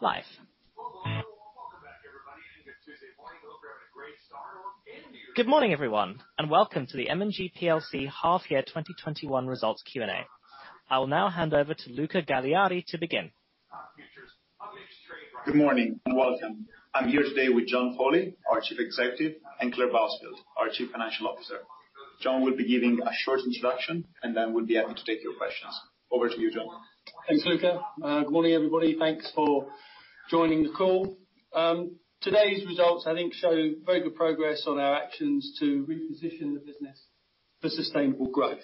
Live. Welcome back, everybody, and good Tuesday morning. We hope you're having a great start. Good morning, everyone, and welcome to the M&G plc half year 2021 results Q&A. I'll now hand over to Luca Gagliardi to begin. Good morning, welcome. I'm here today with John Foley, our Chief Executive, and Clare Bousfield, our Chief Financial Officer. John will be giving a short introduction, then we will be happy to take your questions. Over to you, John. Thanks, Luca. Good morning, everybody. Thanks for joining the call. Today's results, I think, show very good progress on our actions to reposition the business for sustainable growth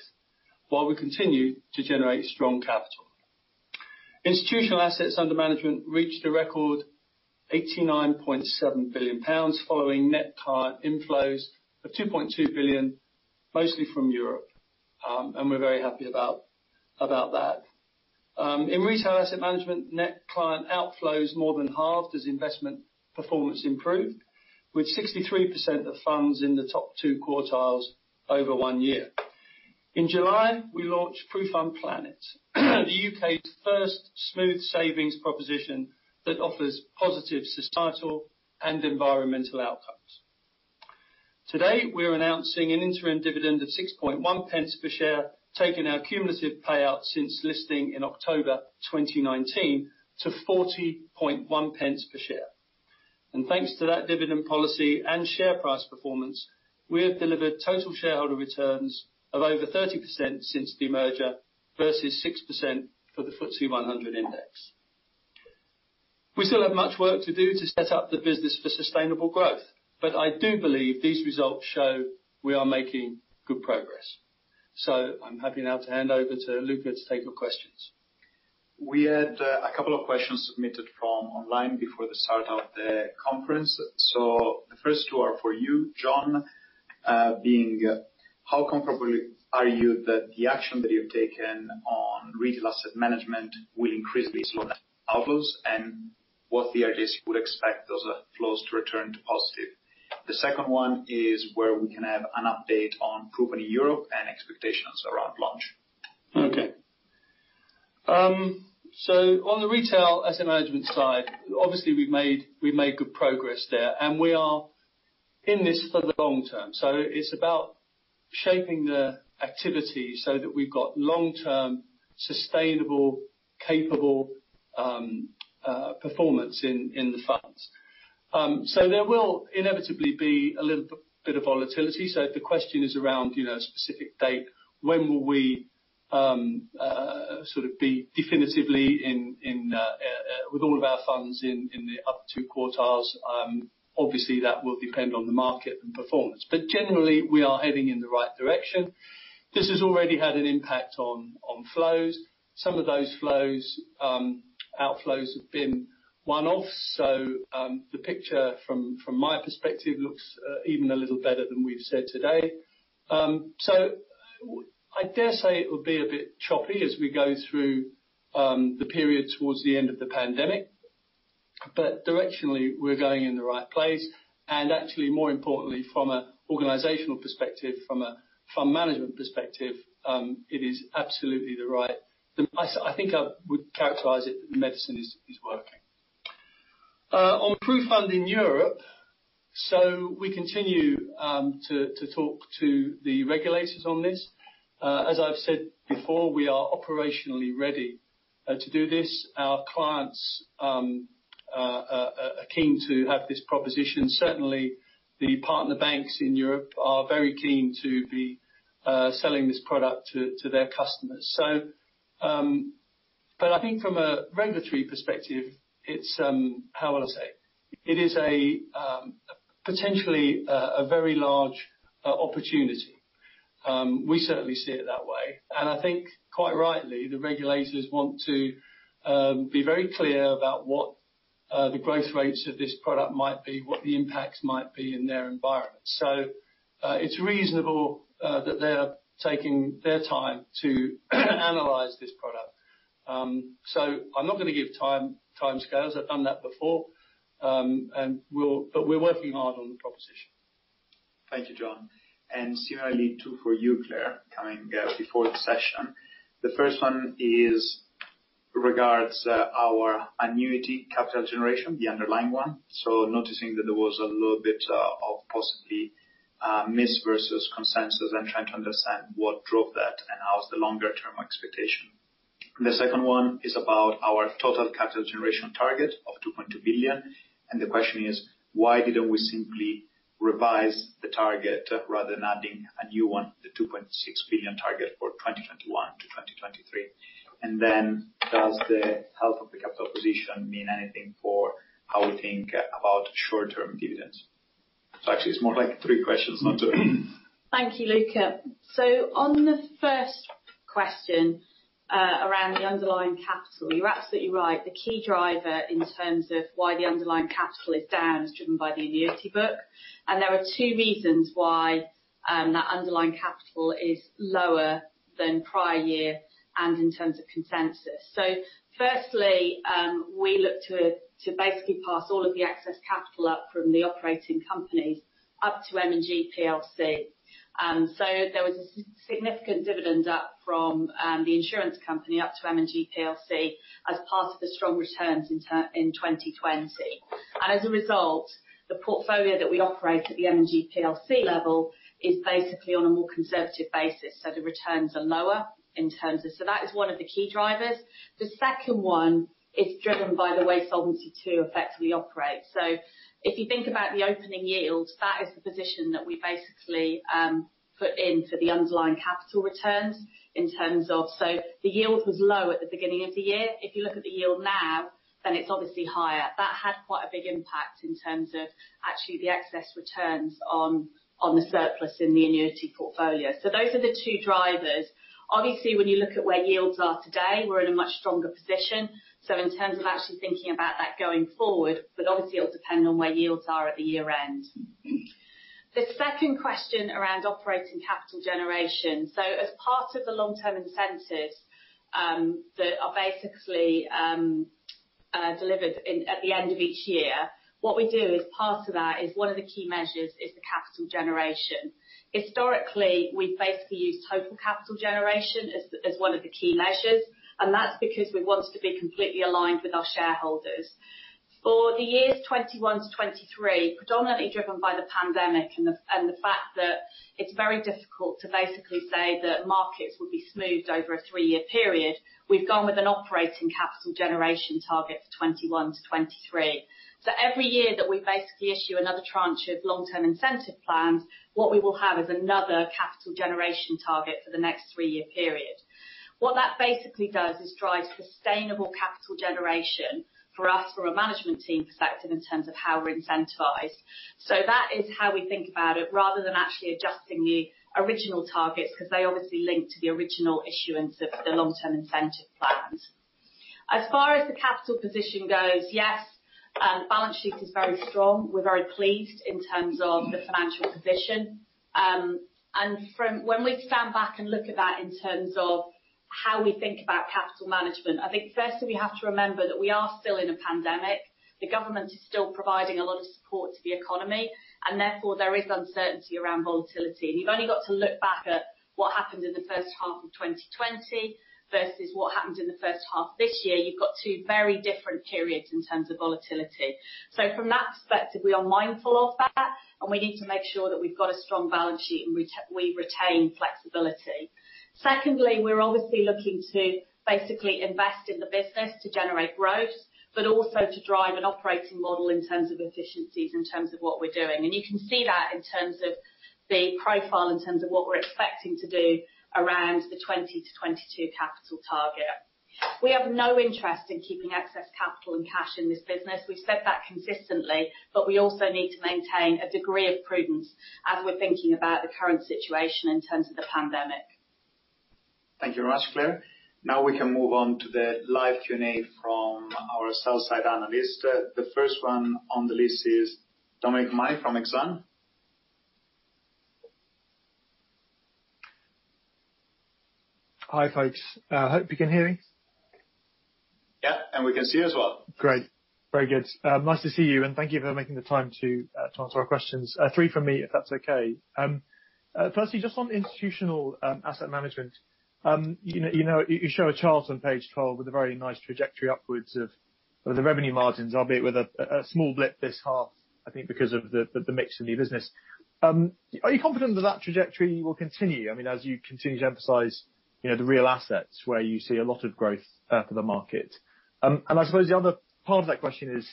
while we continue to generate strong capital. Institutional assets under management reached a record 89.7 billion pounds, following net client inflows of $2.2 billion, mostly from Europe. We're very happy about that. In Retail Asset Management, net client outflows more than halved as investment performance improved, with 63% of funds in the top two quartiles over one year. In July, we launched PruFund Planet, the U.K.'s first smooth savings proposition that offers positive societal and environmental outcomes. Today, we're announcing an interim dividend of 0.061 per share, taking our cumulative payout since listing in October 2019 to 0.401 per share. Thanks to that dividend policy and share price performance, we have delivered total shareholder returns of over 30% since demerger, versus 6% for the FTSE 100 index. We still have much work to do to set up the business for sustainable growth, I do believe these results show we are making good progress. I'm happy now to hand over to Luca to take your questions. We had a couple of questions submitted from online before the start of the conference. The first two are for you, John, being, how comfortable are you that the action that you've taken on Retail Asset Management will increasingly outflows? What's the earliest you would expect those outflows to return to positive? The second 1 is where we can have an update on PruFund in Europe and expectations around launch. On the Retail Asset Management side, obviously, we've made good progress there, and we are in this for the long-term. It's about shaping the activity so that we've got long-term, sustainable, capable performance in the funds. There will inevitably be a little bit of volatility. If the question is around a specific date, when will we be definitively in with all of our funds in the upper two quartiles? Obviously, that will depend on the market and performance. Generally, we are heading in the right direction. This has already had an impact on flows. Some of those outflows have been one-off, the picture from my perspective, looks even a little better than we've said today. I dare say it will be a bit choppy as we go through the period towards the end of the pandemic. Directionally, we're going in the right place, and actually, more importantly, from an organizational perspective, from a fund management perspective, it is absolutely the right, I think I would characterize it, that the medicine is working. On PruFund in Europe, we continue to talk to the regulators on this. As I've said before, we are operationally ready to do this. Our clients are keen to have this proposition. Certainly, the partner banks in Europe are very keen to be selling this product to their customers. I think from a regulatory perspective, it's, how will I say, it is potentially a very large opportunity. We certainly see it that way, and I think quite rightly, the regulators want to be very clear about what the growth rates of this product might be, what the impacts might be in their environment. It's reasonable that they're taking their time to analyze this product. I'm not going to give timescales. I've done that before. We're working hard on the proposition. Thank you, John. Similarly, two for you, Clare, coming before the session. The first one regards our annuity capital generation, the underlying one. Noticing that there was a little bit of possibly miss versus consensus, I'm trying to understand what drove that and how is the longer-term expectation. The second one is about our total capital generation target of 2.2 billion, the question is, why didn't we simply revise the target rather than adding a new one, the 2.6 billion target for 2021-2023? Does the health of the capital position mean anything for how we think about short-term dividends? Actually, it's more like three questions, not two. Thank you, Luca. On the first question around the underlying capital, you're absolutely right. The key driver in terms of why the underlying capital is down is driven by the annuity book, and there are two reasons why that underlying capital is lower than prior year and in terms of consensus. Firstly, we look to basically pass all of the excess capital up from the operating companies up to M&G plc. There was a significant dividend up from the insurance company up to M&G plc as part of the strong returns in 2020. As a result, the portfolio that we operate at the M&G plc level is basically on a more conservative basis, so the returns are lower. That is one of the key drivers. The second one is driven by the way Solvency II effectively operates. If you think about the opening yield, that is the position that we basically put in for the underlying capital returns in terms of The yield was low at the beginning of the year. If you look at the yield now, then it's obviously higher. That had quite a big impact in terms of actually the excess returns on the surplus in the annuity portfolio. Those are the two drivers. Obviously, when you look at where yields are today, we're in a much stronger position. In terms of actually thinking about that going forward, but obviously it'll depend on where yields are at the year-end. The second question around operating capital generation, so as part of the long-term incentives that are basically delivered at the end of each year, what we do as part of that is one of the key measures is the capital generation. Historically, we've basically used total capital generation as one of the key measures, and that's because we wanted to be completely aligned with our shareholders. For the years 2021 to 2023, predominantly driven by the pandemic and the fact that it's very difficult to basically say that markets will be smooth over a three-year period, we've gone with an operating capital generation target for 2021 to 2023. Every year that we basically issue another tranche of long-term incentive plans, what we will have is another capital generation target for the next three-year period. What that basically does is drives sustainable capital generation for us from a management team perspective in terms of how we're incentivized. That is how we think about it, rather than actually adjusting the original targets, because they obviously link to the original issuance of the long-term incentive plans. As far as the capital position goes, yes, balance sheet is very strong. We're very pleased in terms of the financial position. When we stand back and look at that in terms of how we think about capital management, I think firstly, we have to remember that we are still in a pandemic. The government is still providing a lot of support to the economy, and therefore there is uncertainty around volatility. You've only got to look back at what happened in the first half of 2020 versus what happened in the first half this year. You've got two very different periods in terms of volatility. From that perspective, we are mindful of that, and we need to make sure that we've got a strong balance sheet and we retain flexibility. Secondly, we're obviously looking to basically invest in the business to generate growth, but also to drive an operating model in terms of efficiencies, in terms of what we're doing. You can see that in terms of the profile, in terms of what we're expecting to do around the 2020 to 2022 capital target. We have no interest in keeping excess capital and cash in this business. We've said that consistently, but we also need to maintain a degree of prudence as we're thinking about the current situation in terms of the pandemic. Thank you much, Clare. Now we can move on to the live Q&A from our sell-side analysts. The first one on the list is Dominic O'Mahony from Exane. Hi, folks. Hope you can hear me. Yeah, we can see you as well. Great. Very good. Nice to see you, thank you for making the time to answer our questions. Three from me, if that's okay. Firstly, just on Institutional Asset Management. You show a chart on page 12 with a very nice trajectory upwards of the revenue margins, albeit with a small blip this half, I think because of the mix in the business. Are you confident that that trajectory will continue? I mean, as you continue to emphasize the real assets where you see a lot of growth for the market. I suppose the other part of that question is,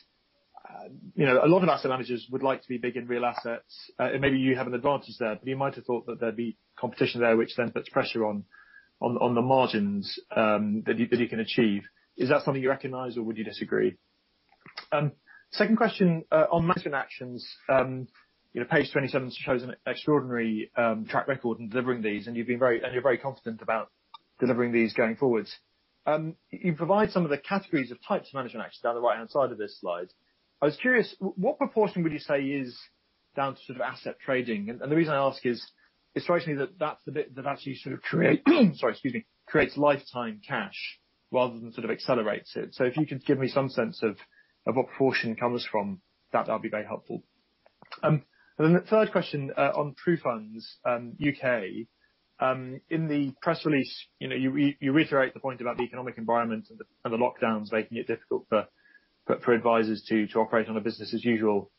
a lot of asset managers would like to be big in real assets, and maybe you have an advantage there, but you might have thought that there'd be competition there, which then puts pressure on the margins that you can achieve. Is that something you recognize or would you disagree? Second question on management actions. Page 27 shows an extraordinary track record in delivering these, and you're very confident about delivering these going forward. You provide some of the categories of types of management actions down the right-hand side of this slide. I was curious, what proportion would you say is down to asset trading? The reason I ask is, it strikes me that that's the bit that actually sort of creates lifetime cash rather than sort of accelerates it. If you could give me some sense of what proportion it comes from, that'd be very helpful. The third question on PruFund U.K. In the press release, you reiterate the point about the economic environment and the lockdowns making it difficult for advisors to operate on a business-as-usual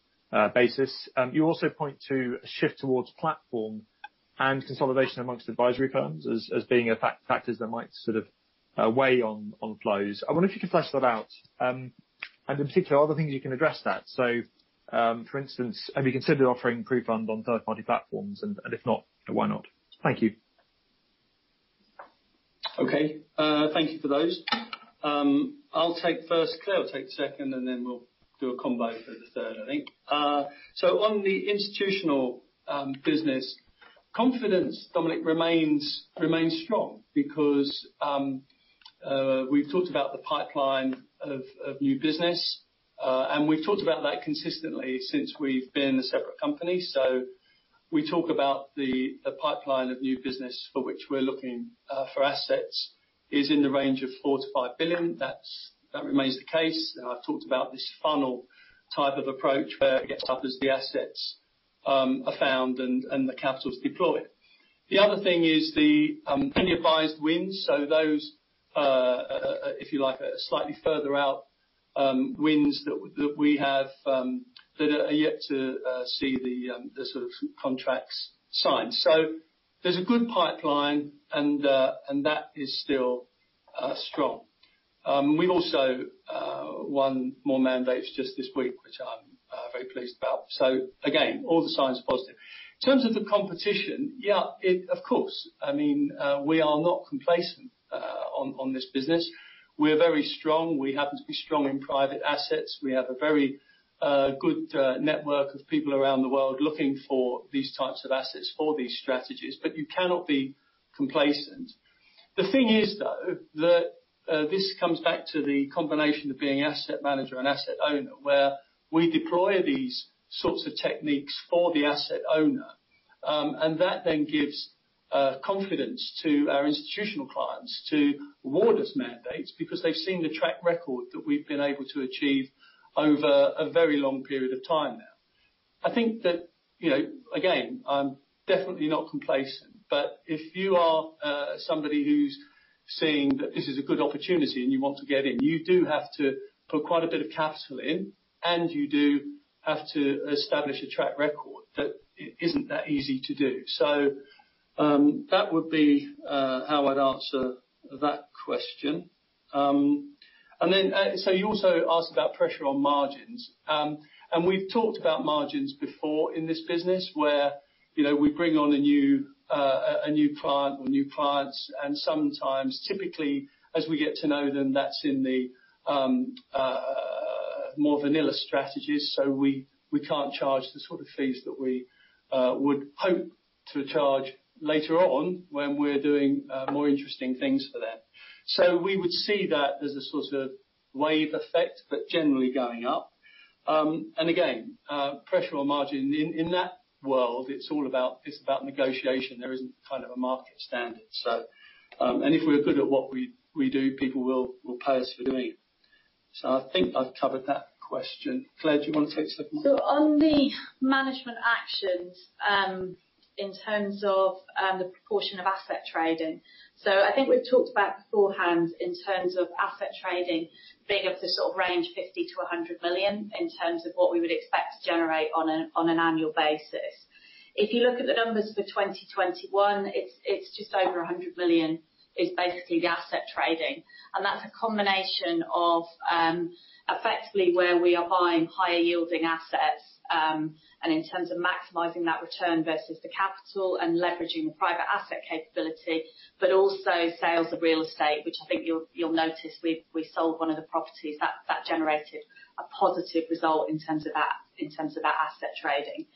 basis. You also point to a shift towards platform and consolidation among advisory firms as being factors that might sort of weigh on flows. I wonder if you could flesh that out. In particular, are there things you can address that? For instance, have you considered offering PruFund on third-party platforms? If not, why not? Thank you. Okay. Thank you for those. I will take first, Clare will take second, then we will do a combo for the third, I think. On the Institutional business, confidence, Dominic, remains strong because we have talked about the pipeline of new business. We have talked about that consistently since we have been a separate company. We talk about the pipeline of new business for which we are looking for assets is in the range of 4 billion-5 billion. That remains the case. I have talked about this funnel type of approach where it gets up as the assets are found and the capital's deployed. The other thing is the in the advised wins. Those, if you like, are slightly further out wins that we have that are yet to see the contracts signed. There's a good pipeline, and that is still strong. We also won more mandates just this week, which I'm very pleased about. Again, all the signs are positive. In terms of the competition, yeah, of course. We are not complacent on this business. We are very strong. We happen to be strong in private assets. We have a very good network of people around the world looking for these types of assets for these strategies, but you cannot be complacent. The thing is, though, that this comes back to the combination of being an asset manager and asset owner, where we deploy these sorts of techniques for the asset owner. That then gives confidence to our institutional clients to award us mandates because they've seen the track record that we've been able to achieve over a very long period of time now. I think that, again, I'm definitely not complacent, but if you are somebody who's seeing that this is a good opportunity and you want to get in, you do have to put quite a bit of capital in, and you do have to establish a track record. That isn't that easy to do. That would be how I'd answer that question. You also asked about pressure on margins. We've talked about margins before in this business where we bring on a new client or new clients, and sometimes typically as we get to know them, that's in the more vanilla strategies. We can't charge the sort of fees that we would hope to charge later on when we're doing more interesting things for them. We would see that as a sort of wave effect, but generally going up. Again, pressure on margin. In that world, it's about negotiation. There isn't kind of a market standard. If we're good at what we do, people will pay us for doing it. I think I've covered that question. Clare, do you want to take second one? On the management actions, in terms of the proportion of asset trading. I think we've talked about beforehand in terms of asset trading being of the sort of range 50 million-100 million in terms of what we would expect to generate on an annual basis. If you look at the numbers for 2021, it's just over 100 million, is basically the asset trading. That's a combination of effectively where we are buying higher-yielding assets, and in terms of maximizing that return versus the capital and leveraging the private asset capability, but also sales of real estate, which I think you'll notice we sold one of the properties. That generated a positive result in terms of that asset trading.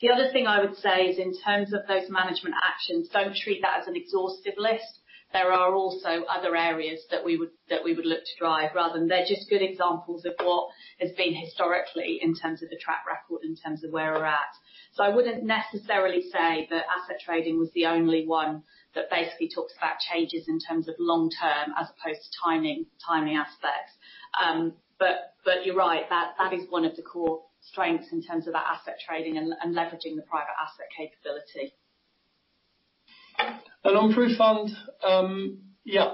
The other thing I would say is in terms of those management actions, don't treat that as an exhaustive list. There are also other areas that we would look to drive. They're just good examples of what has been historically in terms of the track record in terms of where we're at. I wouldn't necessarily say that asset trading was the only one that basically talks about changes in terms of long-term as opposed to timing aspects. You're right. That is one of the core strengths in terms of that asset trading and leveraging the private asset capability. On PruFund. Yeah.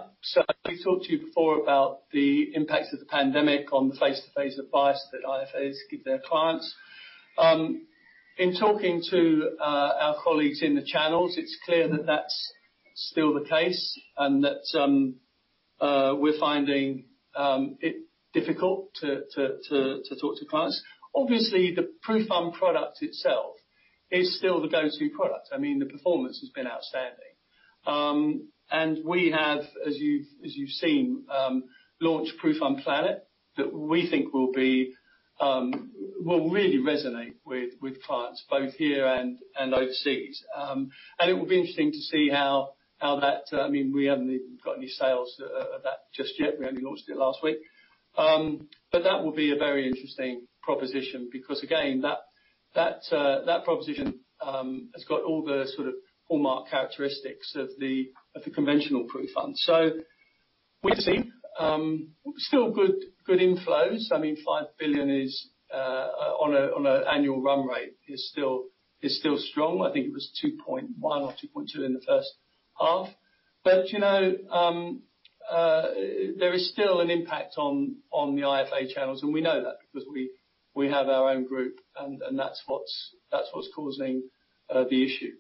I talked to you before about the impact of the pandemic on the face-to-face advice that advisors give their clients. In talking to our colleagues in the channels, it's clear that that's still the case and that we're finding it difficult to talk to clients. Obviously, the PruFund product itself is still the go-to product. The performance has been outstanding. We have, as you've seen, launched PruFund Planet, that we think will really resonate with clients both here and overseas. It will be interesting to see. We haven't even got any sales of that just yet. We only launched it last week. That will be a very interesting proposition because, again, that proposition has got all the sort of hallmark characteristics of the conventional PruFund. We'll see. Still good inflows. 5 billion on an annual run rate is still strong. I think it was 2.1 billion or 2.2 billion in the first half. There is still an impact on the IFA channels, and we know that because we have our own group, and that's what's causing the issue.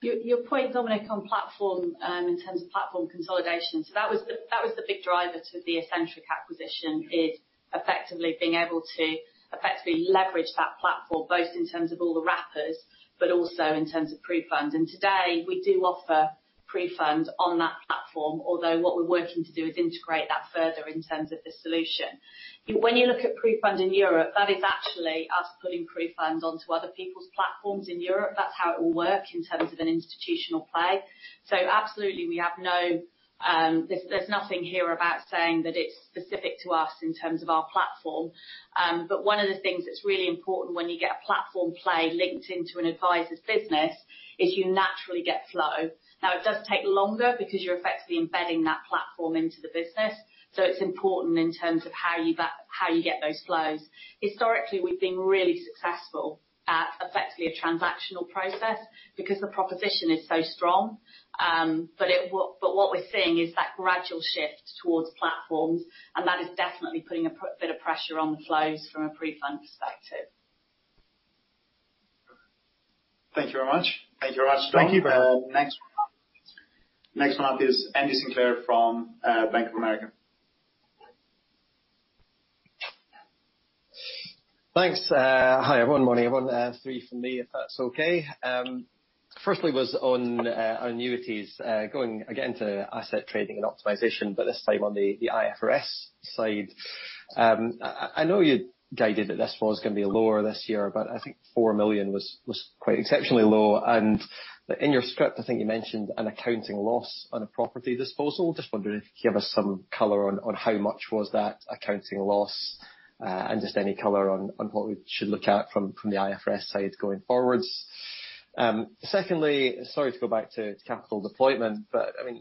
Your point, Dominic on platform, in terms of platform consolidation. That was the big driver to the Ascentric acquisition, is effectively being able to effectively leverage that platform, both in terms of all the wrappers but also in terms of PruFund. Today, we do offer PruFund on that platform, although what we're working to do is integrate that further in terms of the solution. When you look at PruFund in Europe, that is actually us putting PruFund onto other people's platforms in Europe. That's how it will work in terms of an institutional play. Absolutely, there's nothing here about saying that it's specific to us in terms of our platform. One of the things that's really important when you get a platform play linked into an advisor's business is you naturally get flow. It does take longer because you're effectively embedding that platform into the business. It's important in terms of how you get those flows. Historically, we've been really successful. Effectively a transactional process because the proposition is so strong. What we're seeing is that gradual shift towards platforms, and that is definitely putting a bit of pressure on the flows from a PruFund perspective. Thank you very much. Thank you very much. Next one up is Andy Sinclair from Bank of America. Thanks. Hi, everyone. Morning, everyone. Three from me, if that's okay. Firstly, was on annuities, going again to asset trading and optimization, this time on the IFRS side. I know you guided that this was going to be lower this year, I think 4 million was quite exceptionally low, In your script, I think you mentioned an accounting loss on a property disposal. Just wondering if you could give us some color on how much was that accounting loss, Just any color on what we should look at from the IFRS side going forwards. Secondly, sorry to go back to capital deployment,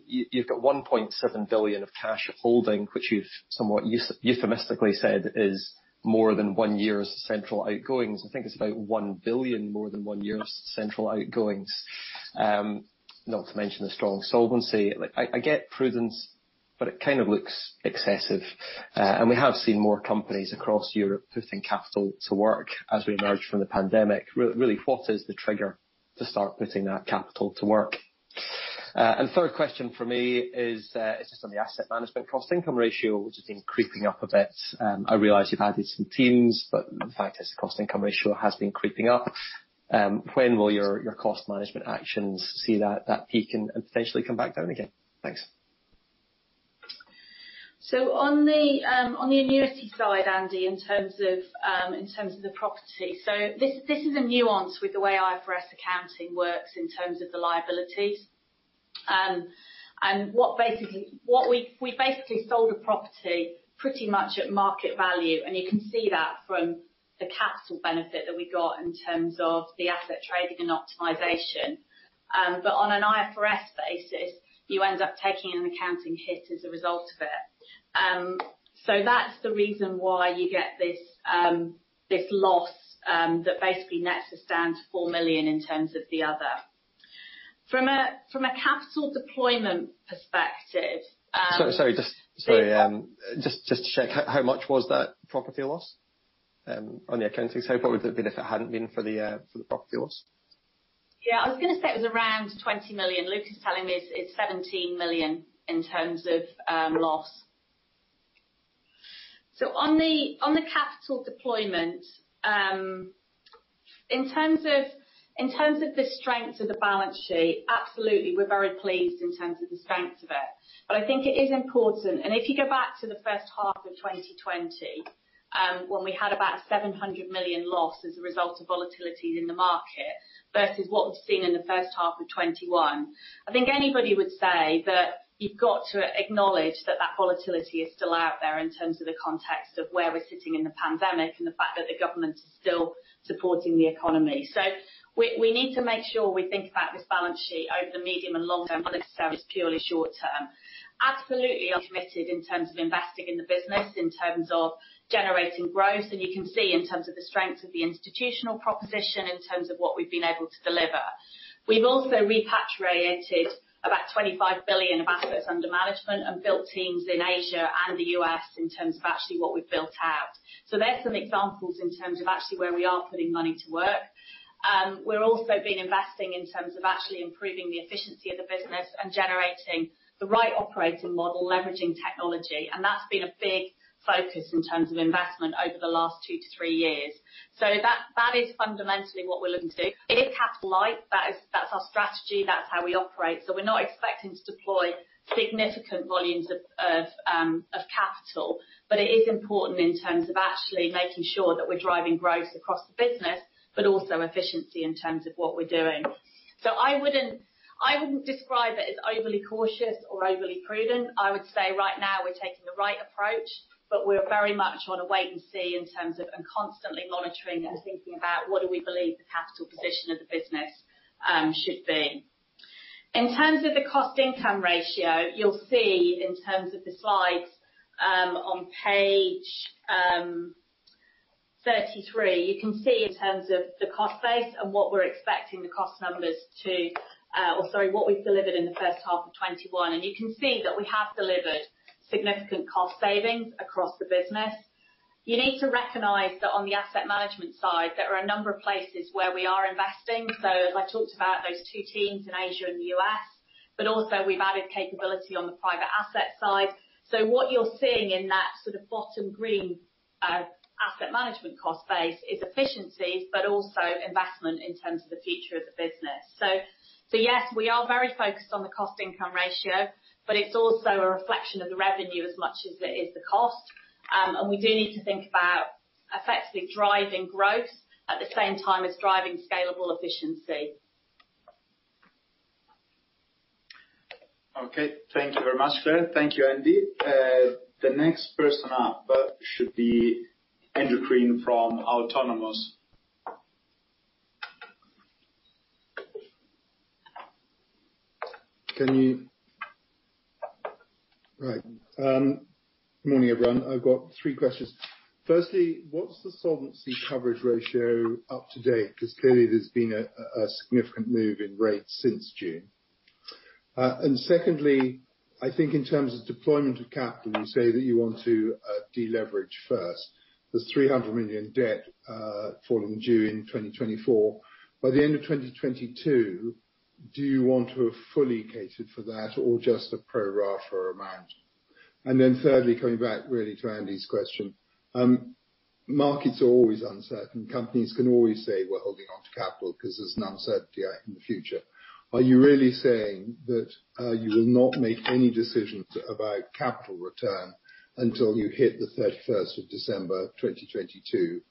you've got 1.7 billion of cash holding, which you've somewhat euphemistically said is more than one year's central outgoings. I think it's about 1 billion, more than one year of central outgoings. Not to mention the strong solvency. I get prudence, but it kind of looks excessive. We have seen more companies across Europe putting capital to work as we emerge from the pandemic. Really, what is the trigger to start putting that capital to work? Third question from me is just on the asset management cost income ratio, which has been creeping up a bit. I realize you've added some teams, but the fact is the cost income ratio has been creeping up. When will your cost management actions see that peak and potentially come back down again? Thanks. On the annuity side, Andy, in terms of the property. This is a nuance with the way IFRS accounting works in terms of the liabilities. We basically sold a property pretty much at market value, and you can see that from the capital benefit that we got in terms of the asset trading and optimization. On an IFRS basis, you end up taking an accounting hit as a result of it. That's the reason why you get this loss, that basically nets the stand 4 million in terms of the other. From a capital deployment perspective— Sorry. Just to check, how much was that property loss on the accounting side? What would it have been if it hadn't been for the property loss? I was going to say it was around 20 million. Luca is telling me it's 17 million in terms of loss. On the capital deployment, in terms of the strength of the balance sheet, absolutely, we're very pleased in terms of the strength of it. I think it is important, and if you go back to first half 2020, when we had about 700 million loss as a result of volatility in the market versus what we've seen in first half 2021. I think anybody would say that you've got to acknowledge that volatility is still out there in terms of the context of where we're sitting in the pandemic and the fact that the government is still supporting the economy. We need to make sure we think about this balance sheet over the medium and long term, not necessarily purely short-term. Absolutely are committed in terms of investing in the business, in terms of generating growth. You can see in terms of the strength of the institutional proposition, in terms of what we've been able to deliver. We've also repatriated about 25 billion of assets under management and built teams in Asia and the U.S. in terms of actually what we've built out. There's some examples in terms of actually where we are putting money to work. We've also been investing in terms of actually improving the efficiency of the business and generating the right operating model, leveraging technology, and that's been a big focus in terms of investment over the last two to three years. That is fundamentally what we're looking to do. It is capital light. That's our strategy. That's how we operate. We're not expecting to deploy significant volumes of capital, but it is important in terms of actually making sure that we're driving growth across the business, but also efficiency in terms of what we're doing. I wouldn't describe it as overly cautious or overly prudent. I would say right now we're taking the right approach, but we're very much on a wait and see in terms of, and constantly monitoring and thinking about what we believe the capital position of the business should be. In terms of the cost income ratio, you'll see in terms of the slides, on page 33, you can see in terms of the cost base and what we're expecting the cost numbers to what we've delivered in firsth half 2021. You can see that we have delivered significant cost savings across the business. You need to recognize that on the asset management side, there are a number of places where we are investing. As I talked about, those two teams in Asia and the U.S. We've added capability on the private asset side. What you're seeing in that sort of bottom green asset management cost base is efficiencies but also investment in terms of the future of the business. Yes, we are very focused on the cost income ratio, but it's also a reflection of the revenue as much as it is the cost. We do need to think about effectively driving growth at the same time as driving scalable efficiency. Okay. Thank you very much, Clare. Thank you, Andy. The next person up should be Andrew Crean from Autonomous. Good morning, everyone. I've got three questions. Firstly, what's the solvency coverage ratio up to date? Clearly there's been a significant move in rates since June. Secondly, I think in terms of deployment of capital, you say that you want to de-leverage first. There's 300 million debt falling due in 2024. By the end of 2022, do you want to have fully catered for that or just a pro rata amount? Thirdly, coming back really to Andy's question, markets are always uncertain. Companies can always say, "We're holding onto capital because there's an uncertainty in the future." Are you really saying that you will not make any decisions about capital return until you hit the 31st of December 2022?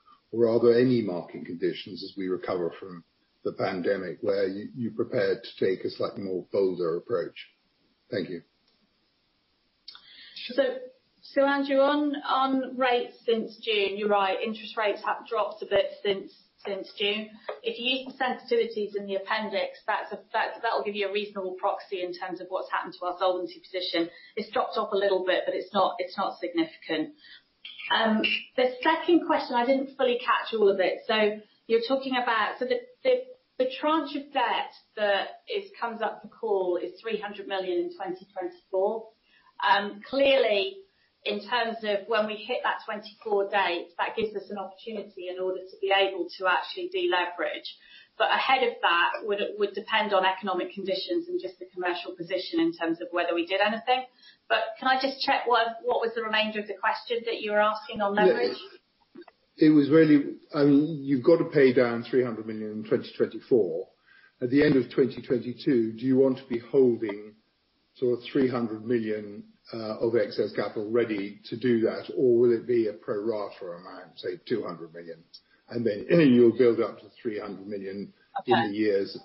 Are there any market conditions as we recover from the pandemic where you're prepared to take a slightly more bolder approach? Thank you. Andrew, on rates since June, you're right, interest rates have dropped a bit since June. If you use the sensitivities in the appendix, that'll give you a reasonable proxy in terms of what's happened to our solvency position. It's dropped off a little bit, but it's not significant. The second question, I didn't fully catch all of it. The tranche of debt that comes up for call is 300 million in 2024. In terms of when we hit that 2024 date, that gives us an opportunity in order to be able to actually de-leverage. Ahead of that, would depend on economic conditions and just the commercial position in terms of whether we did anything. Can I just check what was the remainder of the question that you were asking on leverage? It was really, you've got to pay down 300 million in 2024. At the end of 2022, do you want to be holding 300 million of excess capital ready to do that? Or will it be a pro rata amount, say 200 million? Then you'll build up to 300 million in the years.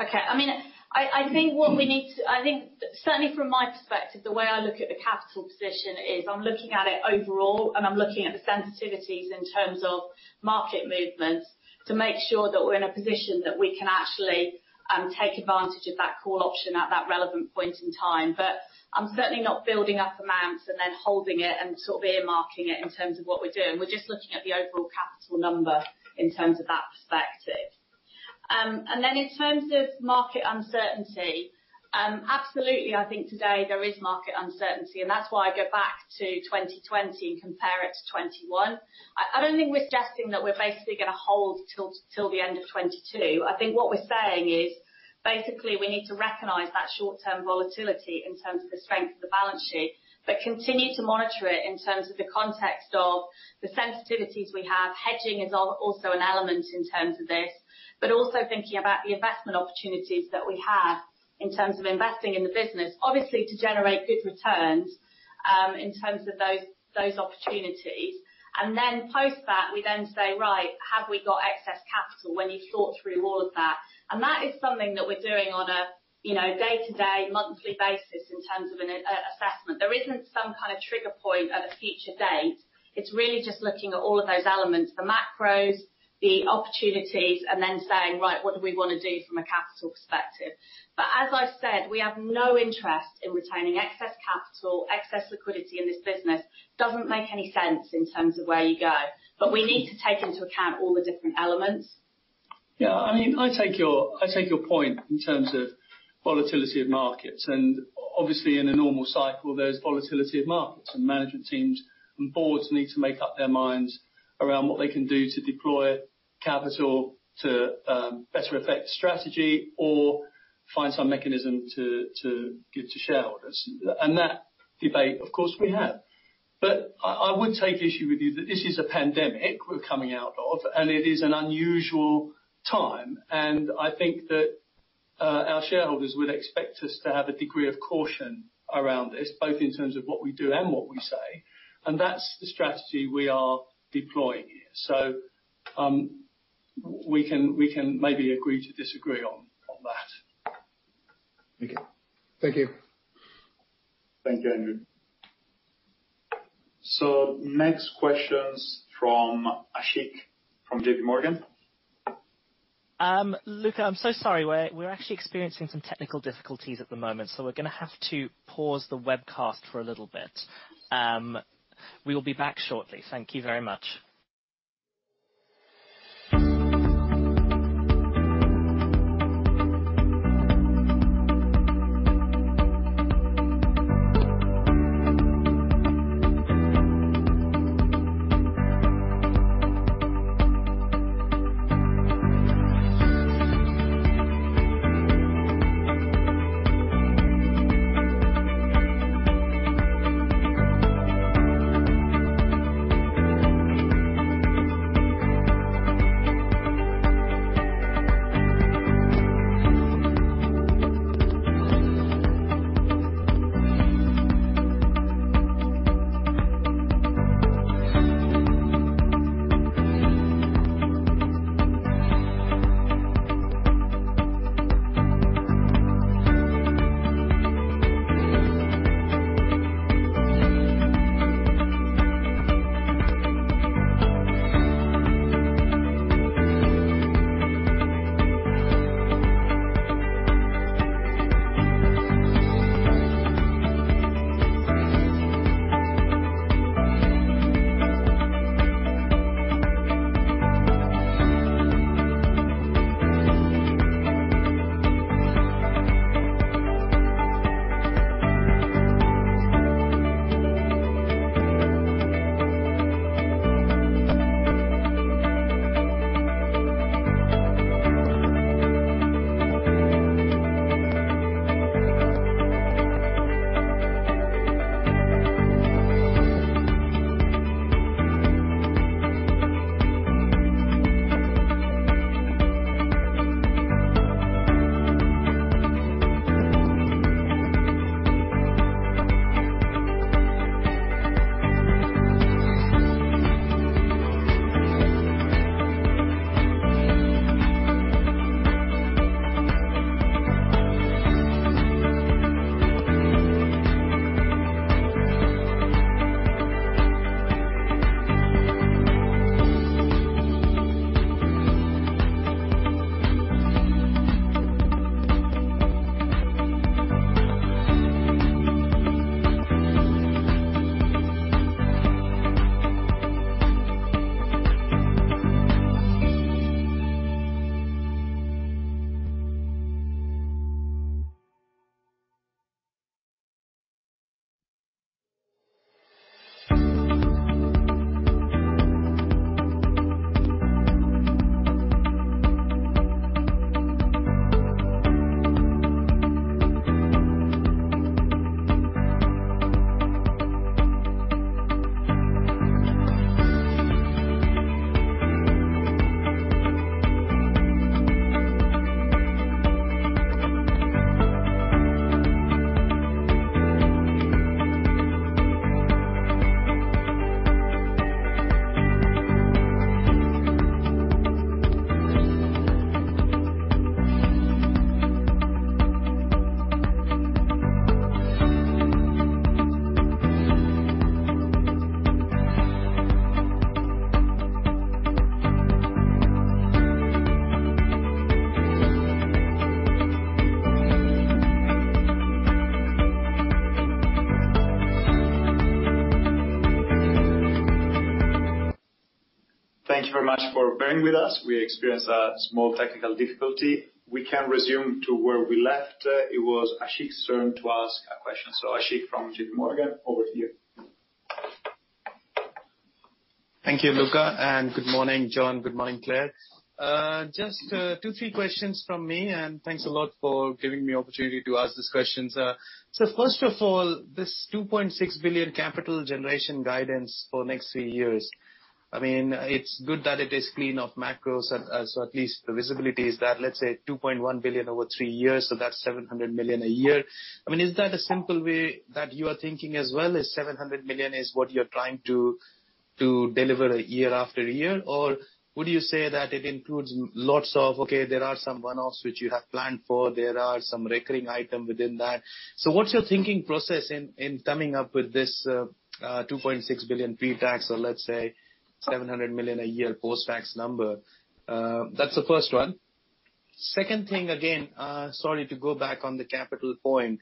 Okay. Certainly from my perspective, the way I look at the capital position is I'm looking at it overall, and I'm looking at the sensitivities in terms of market movements to make sure that we're in a position that we can actually take advantage of that call option at that relevant point in time. I'm certainly not building up amounts and then holding it and earmarking it in terms of what we're doing. We're just looking at the overall capital number in terms of that perspective. In terms of market uncertainty, absolutely, I think today there is market uncertainty, and that's why I go back to 2020 and compare it to 2021. I don't think we're suggesting that we're basically going to hold till the end of 2022. I think what we're saying is basically we need to recognize that short-term volatility in terms of the strength of the balance sheet, but continue to monitor it in terms of the context of the sensitivities we have. Hedging is also an element in terms of this. But also thinking about the investment opportunities that we have in terms of investing in the business, obviously to generate good returns, in terms of those opportunities. And then post that, we then say, "Right, have we got excess capital?" When you've thought through all of that. And that is something that we're doing on a day-to-day, monthly basis in terms of an assessment. There isn't some kind of trigger point at a future date. It's really just looking at all of those elements, the macros, the opportunities, then saying, "Right, what do we want to do from a capital perspective?" As I've said, we have no interest in retaining excess capital. Excess liquidity in this business doesn't make any sense in terms of where you go. We need to take into account all the different elements. Yeah. I take your point in terms of volatility of markets. Obviously, in a normal cycle, there's volatility of markets, and management teams and boards need to make up their minds around what they can do to deploy capital to better effect strategy or find some mechanism to give to shareholders. That debate, of course, we have. I would take issue with you that this is a pandemic we're coming out of, and it is an unusual time. I think that our shareholders would expect us to have a degree of caution around this, both in terms of what we do and what we say. That's the strategy we are deploying here. We can maybe agree to disagree on that. Okay. Thank you. Thank you, Andrew. Next question is from Ashik from JPMorgan. Luca, I'm so sorry. We're actually experiencing some technical difficulties at the moment, so we're going to have to pause the webcast for a little bit. We will be back shortly. Thank you very much. Thank you very much for bearing with us. We experienced a small technical difficulty. We can resume to where we left. It was Ashik's turn to ask a question. Ashik from JPMorgan, over to you. Thank you, Luca, and good morning, John. Good morning, Clare. Just two, three questions from me. Thanks a lot for giving me opportunity to ask these questions. First of all, this 2.6 billion capital generation guidance for next three years, it is good that it is clean of macros. At least the visibility is there. 2.1 billion over three years, that is 700 million a year. Is that a simple way that you are thinking as well, is 700 million is what you are trying to deliver year after year? Would you say that it includes lots of, there are some one-offs which you have planned for, there are some recurring item within that. What's your thinking process in coming up with this 2.6 billion pre-tax or let's say 700 million a year post-tax number? That's the first one. Second thing again, sorry to go back on the capital point.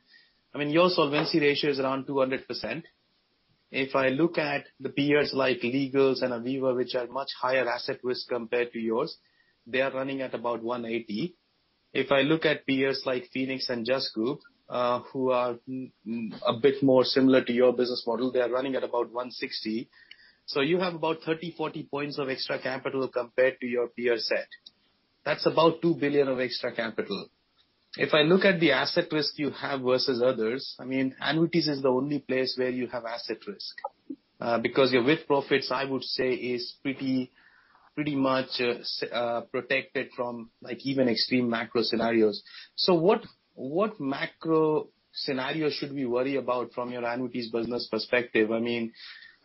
Your solvency ratio is around 200%. If I look at the peers like Legal & General and Aviva, which are much higher asset risk compared to yours, they are running at about 180%. If I look at peers like Phoenix and Just Group, who are a bit more similar to your business model, they are running at about 160%. You have about 30, 40 points of extra capital compared to your peer set. That's about 2 billion of extra capital. If I look at the asset risk you have versus others, annuities is the only place where you have asset risk. Because your with-profits, I would say is pretty much protected from even extreme macro scenarios. So what macro scenario should we worry about from your annuities business perspective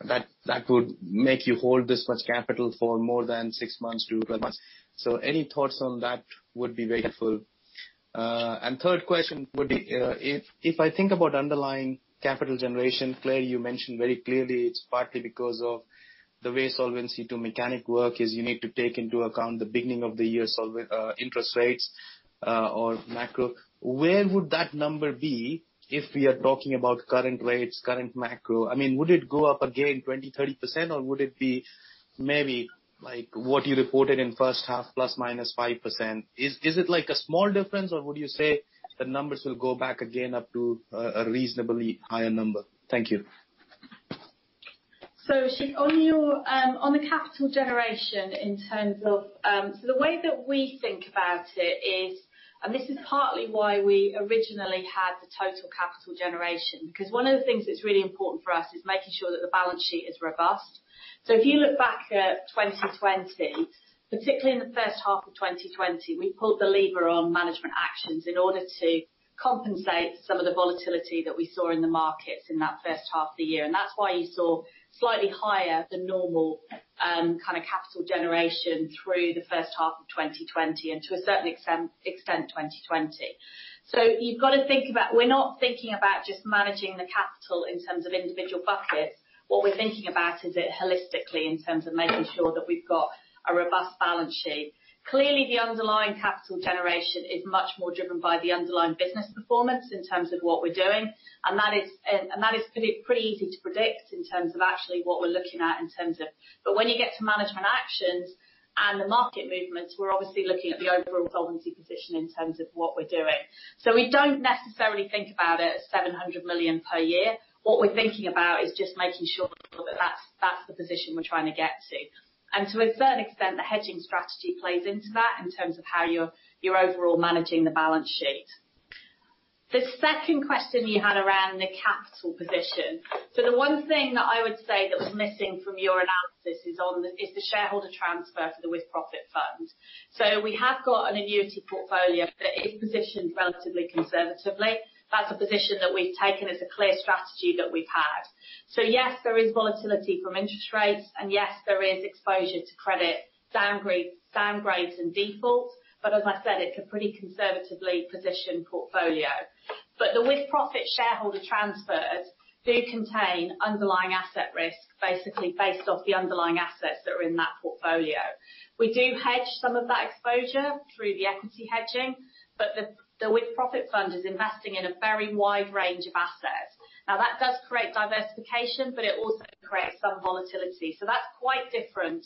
that would make you hold this much capital for more than 6 months-12 months? Any thoughts on that would be very helpful. Third question would be, if I think about underlying capital generation, Clare, you mentioned very clearly it's partly because of the way Solvency II mechanic work is you need to take into account the beginning of the year interest rates or macro. Where would that number be if we are talking about current rates, current macro? Would it go up again 20%, 30%, or would it be maybe like what you reported in first half, ±5%? Is it like a small difference, or would you say the numbers will go back again up to a reasonably higher number? Thank you. Ashik, on the capital generation in terms of the way that we think about it is, this is partly why we originally had the total capital generation, because one of the things that's really important for us is making sure that the balance sheet is robust. If you look back at 2020, particularly in the first half of 2020, we pulled the lever on management actions in order to compensate some of the volatility that we saw in the markets in that first half of the year. That's why you saw slightly higher than normal capital generation through the first half of 2020 and to a certain extent, 2020. You've got to think about, we're not thinking about just managing the capital in terms of individual buckets. What we're thinking about is it holistically in terms of making sure that we've got a robust balance sheet. Clearly, the underlying capital generation is much more driven by the underlying business performance in terms of what we're doing. That is pretty easy to predict in terms of actually what we're looking at. When you get to management actions and the market movements, we're obviously looking at the overall solvency position in terms of what we're doing. We don't necessarily think about it as 700 million per year. What we're thinking about is just making sure that's the position we're trying to get to. To a certain extent, the hedging strategy plays into that in terms of how you're overall managing the balance sheet. The second question you had around the capital position. The one thing that I would say that was missing from your analysis is the shareholder transfer to the with-profit fund. We have got an annuity portfolio that is positioned relatively conservatively. That's a position that we've taken as a clear strategy that we've had. Yes, there is volatility from interest rates, and yes, there is exposure to credit downgrades and defaults, but as I said, it's a pretty conservatively positioned portfolio. The with-profit shareholder transfers do contain underlying asset risk, basically based off the underlying assets that are in that portfolio. We do hedge some of that exposure through the equity hedging. The with-profit fund is investing in a very wide range of assets. That does create diversification, but it also creates some volatility. That's quite different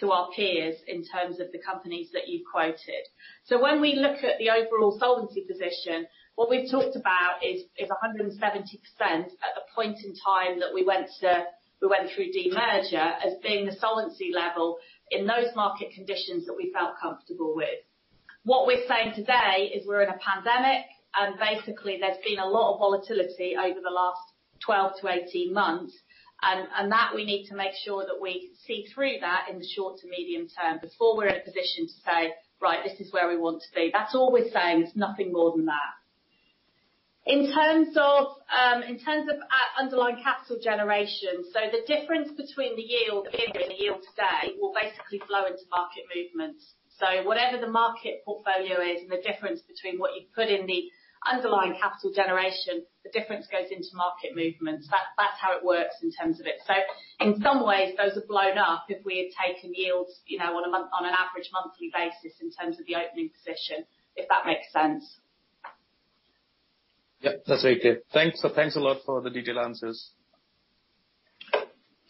to our peers in terms of the companies that you've quoted. When we look at the overall solvency position, what we've talked about is 170% at the point in time that we went through demerger as being the solvency level in those market conditions that we felt comfortable with. What we are saying today is we're in a pandemic, basically, there's been a lot of volatility over the last 12 to 18 months. That we need to make sure that we see through that in the short to medium term before we're in a position to say, "Right, this is where we want to be." That's all we're saying. It's nothing more than that. In terms of underlying capital generation, the difference between the yield at the beginning and the yield today will basically flow into market movements. Whatever the market portfolio is and the difference between what you put in the underlying capital generation, the difference goes into market movements. That is how it works in terms of it. In some ways, those have blown up. If we had taken yields on an average monthly basis in terms of the opening position, if that makes sense. Yep, that's very clear. Thanks a lot for the detailed answers.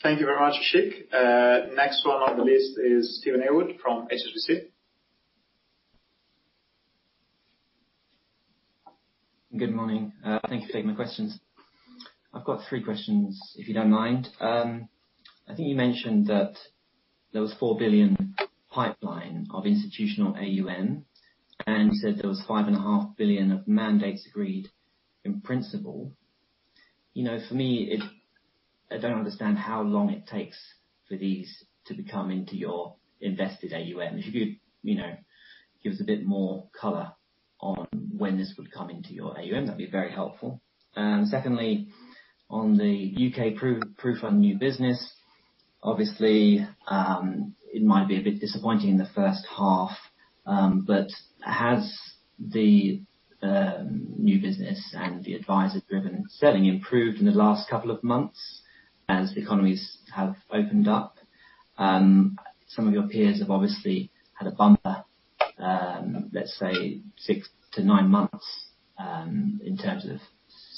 Thank you very much, Ashik. Next one on the list is Steven Haywood from HSBC. Good morning. Thank you for taking my questions. I've got three questions, if you don't mind. I think you mentioned that there was 4 billion pipeline of institutional AUM. You said there was 5.5 billion of mandates agreed in principle. For me, I don't understand how long it takes for these to become into your invested AUM. If you could give us a bit more color on when this would come into your AUM, that'd be very helpful. Secondly, on the U.K. PruFund new business, obviously, it might be a bit disappointing in the first half. Has the new business and the advisor-driven selling improved in the last couple of months as economies have opened up? Some of your peers have obviously had a bumper, let's say, six to nine months, in terms of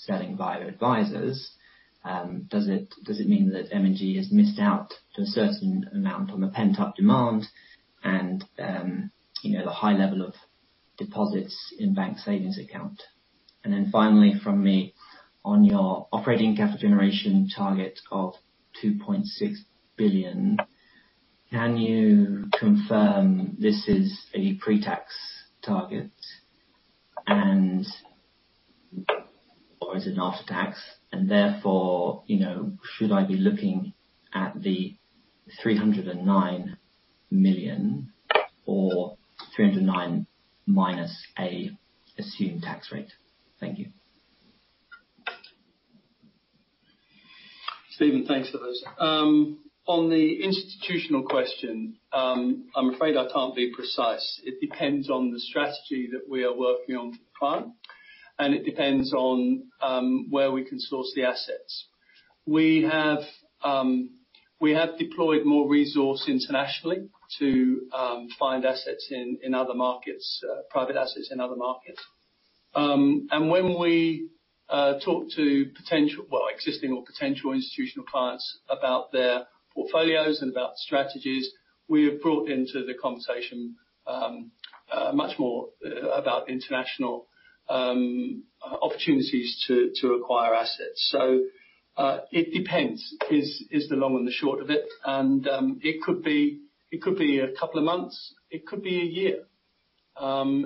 selling via advisors. Does it mean that M&G has missed out to a certain amount on the pent-up demand and the high level of deposits in bank savings account? Finally, from me, on your operating capital generation target of 2.6 billion, can you confirm this is a pre-tax target? Or is it an after-tax, and therefore should I be looking at the 309 million or 309 minus an assumed tax rate? Thank you. Steven, thanks for those. The institutional question, I'm afraid I can't be precise. It depends on the strategy that we are working on for the client, and it depends on where we can source the assets. We have deployed more resource internationally to find assets in other markets, private assets in other markets. When we talk to potential, well, existing or potential institutional clients about their portfolios and about strategies, we have brought into the conversation much more about international opportunities to acquire assets. It depends, is the long and the short of it. It could be two months, it could be one year.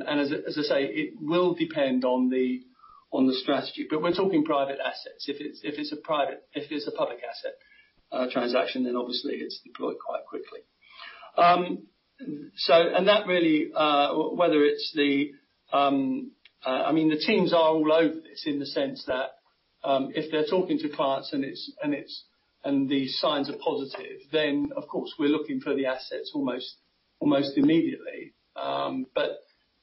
As I say, it will depend on the strategy. We're talking private assets. If it's a public asset transaction, obviously it's deployed quite quickly. The teams are all over this in the sense that, if they're talking to clients and the signs are positive, then of course we're looking for the assets almost immediately.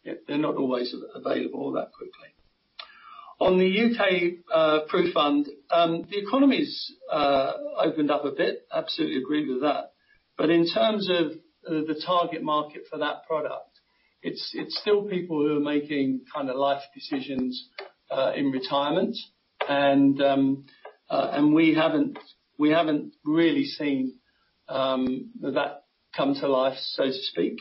They're not always available that quickly. On the U.K. PruFund, the economy's opened up a bit. Absolutely agree with that. In terms of the target market for that product, it's still people who are making life decisions in retirement, and we haven't really seen that come to life, so to speak.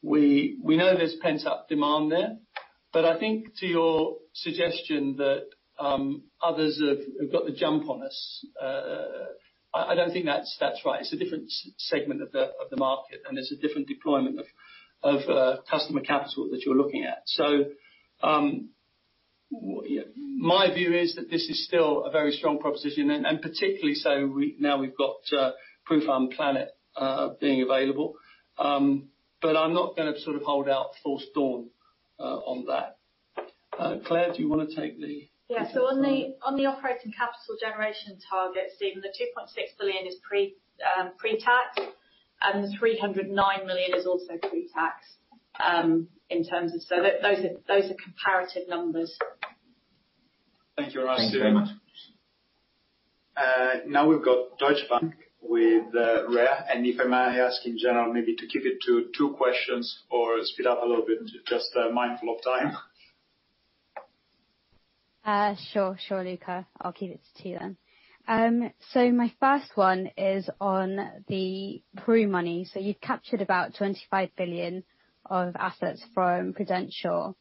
We know there's pent-up demand there I think to your suggestion that others have got the jump on us, I don't think that's right. It's a different segment of the market, and there's a different deployment of customer capital that you're looking at. My view is that this is still a very strong proposition, and particularly so now we've got PruFund Planet being available. I'm not going to sort of holdout false dawn on that. Clare, do you want to take the– Yeah. On the operating capital generation targets, Steven, the 2.6 billion is pre-tax, and the 309 million is also pre-tax. Those are comparative numbers. Thank you very much. Thank you very much. Now we've got Deutsche Bank with Rhea. If I may ask in general maybe to keep it to two questions or speed up a little bit. Just mindful of time. Sure, Luca. I'll keep it to two then. My first one is on the Pru money. You've captured about 25 billion of assets from Prudential.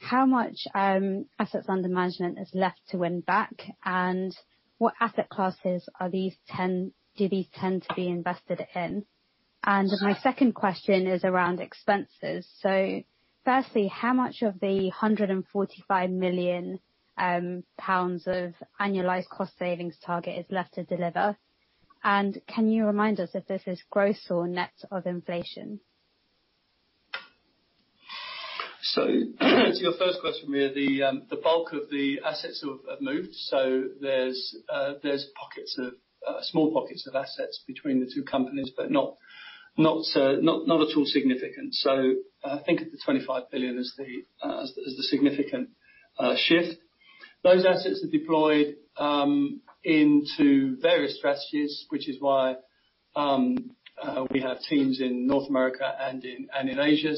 How much assets under management is left to win back, and what asset classes do these tend to be invested in? My second question is around expenses. Firstly, how much of the 145 million pounds of annualized cost savings target is left to deliver? Can you remind us if this is gross or net of inflation? To your first question, Rhea, the bulk of the assets have moved. There's small pockets of assets between the two companies, but not at all significant. Think of the 25 billion as the significant shift. Those assets are deployed into various strategies, which is why we have teams in North America and in Asia.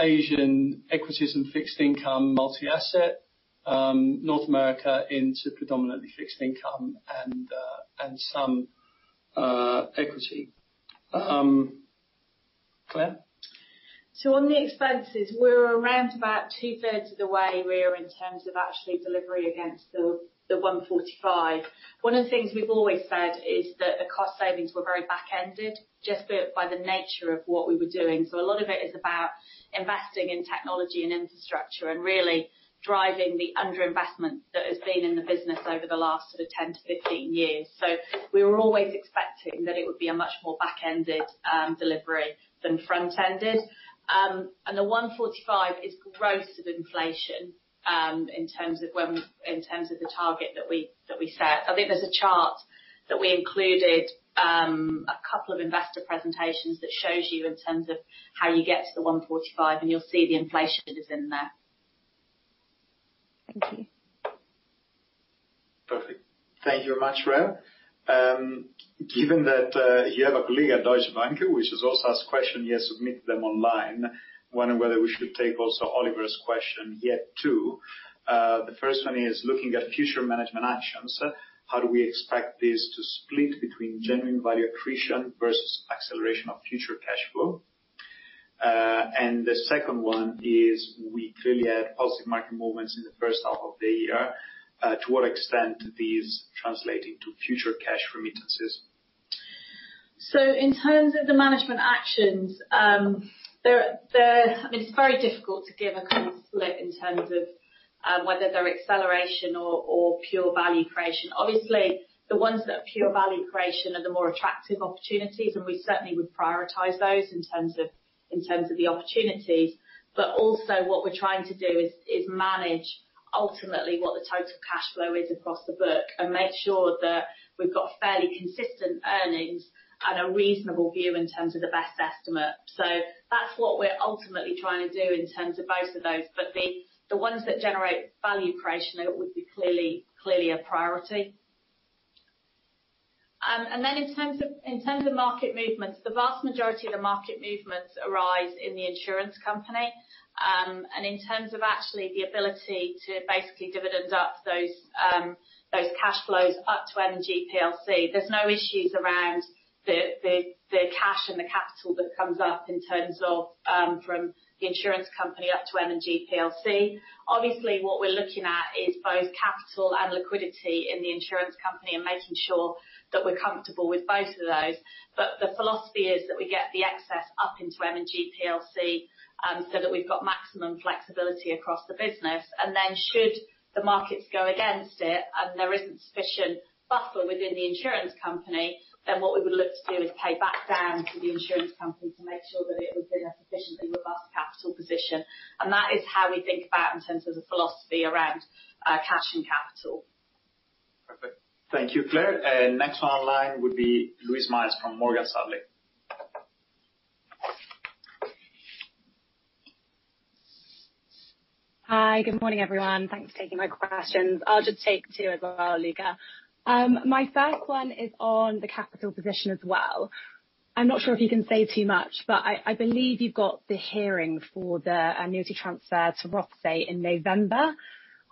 Asian equities and fixed income, multi-asset. North America into predominantly fixed income and some equity. Clare? On the expenses, we're around about two-thirds of the way, Rhea, in terms of actually delivery against the 145 million. One of the things we've always said is that the cost savings were very back-ended, just by the nature of what we were doing. A lot of it is about investing in technology and infrastructure and really driving the underinvestment that has been in the business over the last sort of 10-15 years. We were always expecting that it would be a much more back-ended delivery than front-ended. The 145 million is gross of inflation, in terms of the target that we set. I think there's a chart that we included, a couple of investor presentations that shows you in terms of how you get to the 145 million, and you'll see the inflation is in there. Thank you. Perfect. Thank you very much, Rhea. Given that you have a colleague at Deutsche Bank, which has also asked question, he has submitted them online, wondering whether we should take also Oliver's question here, too. The first one is looking at future management actions. How do we expect this to split between genuine value accretion versus acceleration of future cash flow? The second one is, we clearly had positive market movements in the first half of the year. To what extent are these translating to future cash remittances? In terms of the management actions, it's very difficult to give a kind of split in terms of whether they're acceleration or pure value creation. Obviously, the ones that are pure value creation are the more attractive opportunities, and we certainly would prioritize those in terms of the opportunities. Also what we're trying to do is manage ultimately what the total cash flow is across the book and make sure that we've got fairly consistent earnings and a reasonable view in terms of the best estimate. That's what we're ultimately trying to do in terms of both of those. The ones that generate value creation, it would be clearly a priority. Then in terms of market movements, the vast majority of the market movements arise in the insurance company. In terms of actually the ability to basically dividend up those cash flows up to M&G plc, there's no issues around the cash and the capital that comes up in terms of from the insurance company up to M&G plc. Obviously, what we're looking at is both capital and liquidity in the insurance company and making sure that we're comfortable with both of those. The philosophy is that we get the excess up into M&G plc, so that we've got maximum flexibility across the business. Should the markets go against it, and there isn't sufficient buffer within the insurance company, then what we would look to do is pay back down to the insurance company to make sure that it was in a sufficiently robust capital position. That is how we think about in terms of the philosophy around cash and capital. Perfect. Thank you, Clare. Next on line would be Louise Miles from Morgan Stanley. Hi. Good morning, everyone. Thanks for taking my questions. I'll just take two as well, Luca. My first one is on the capital position as well. I'm not sure if you can say too much, but I believe you've got the hearing for the annuity transfer to Rothesay in November.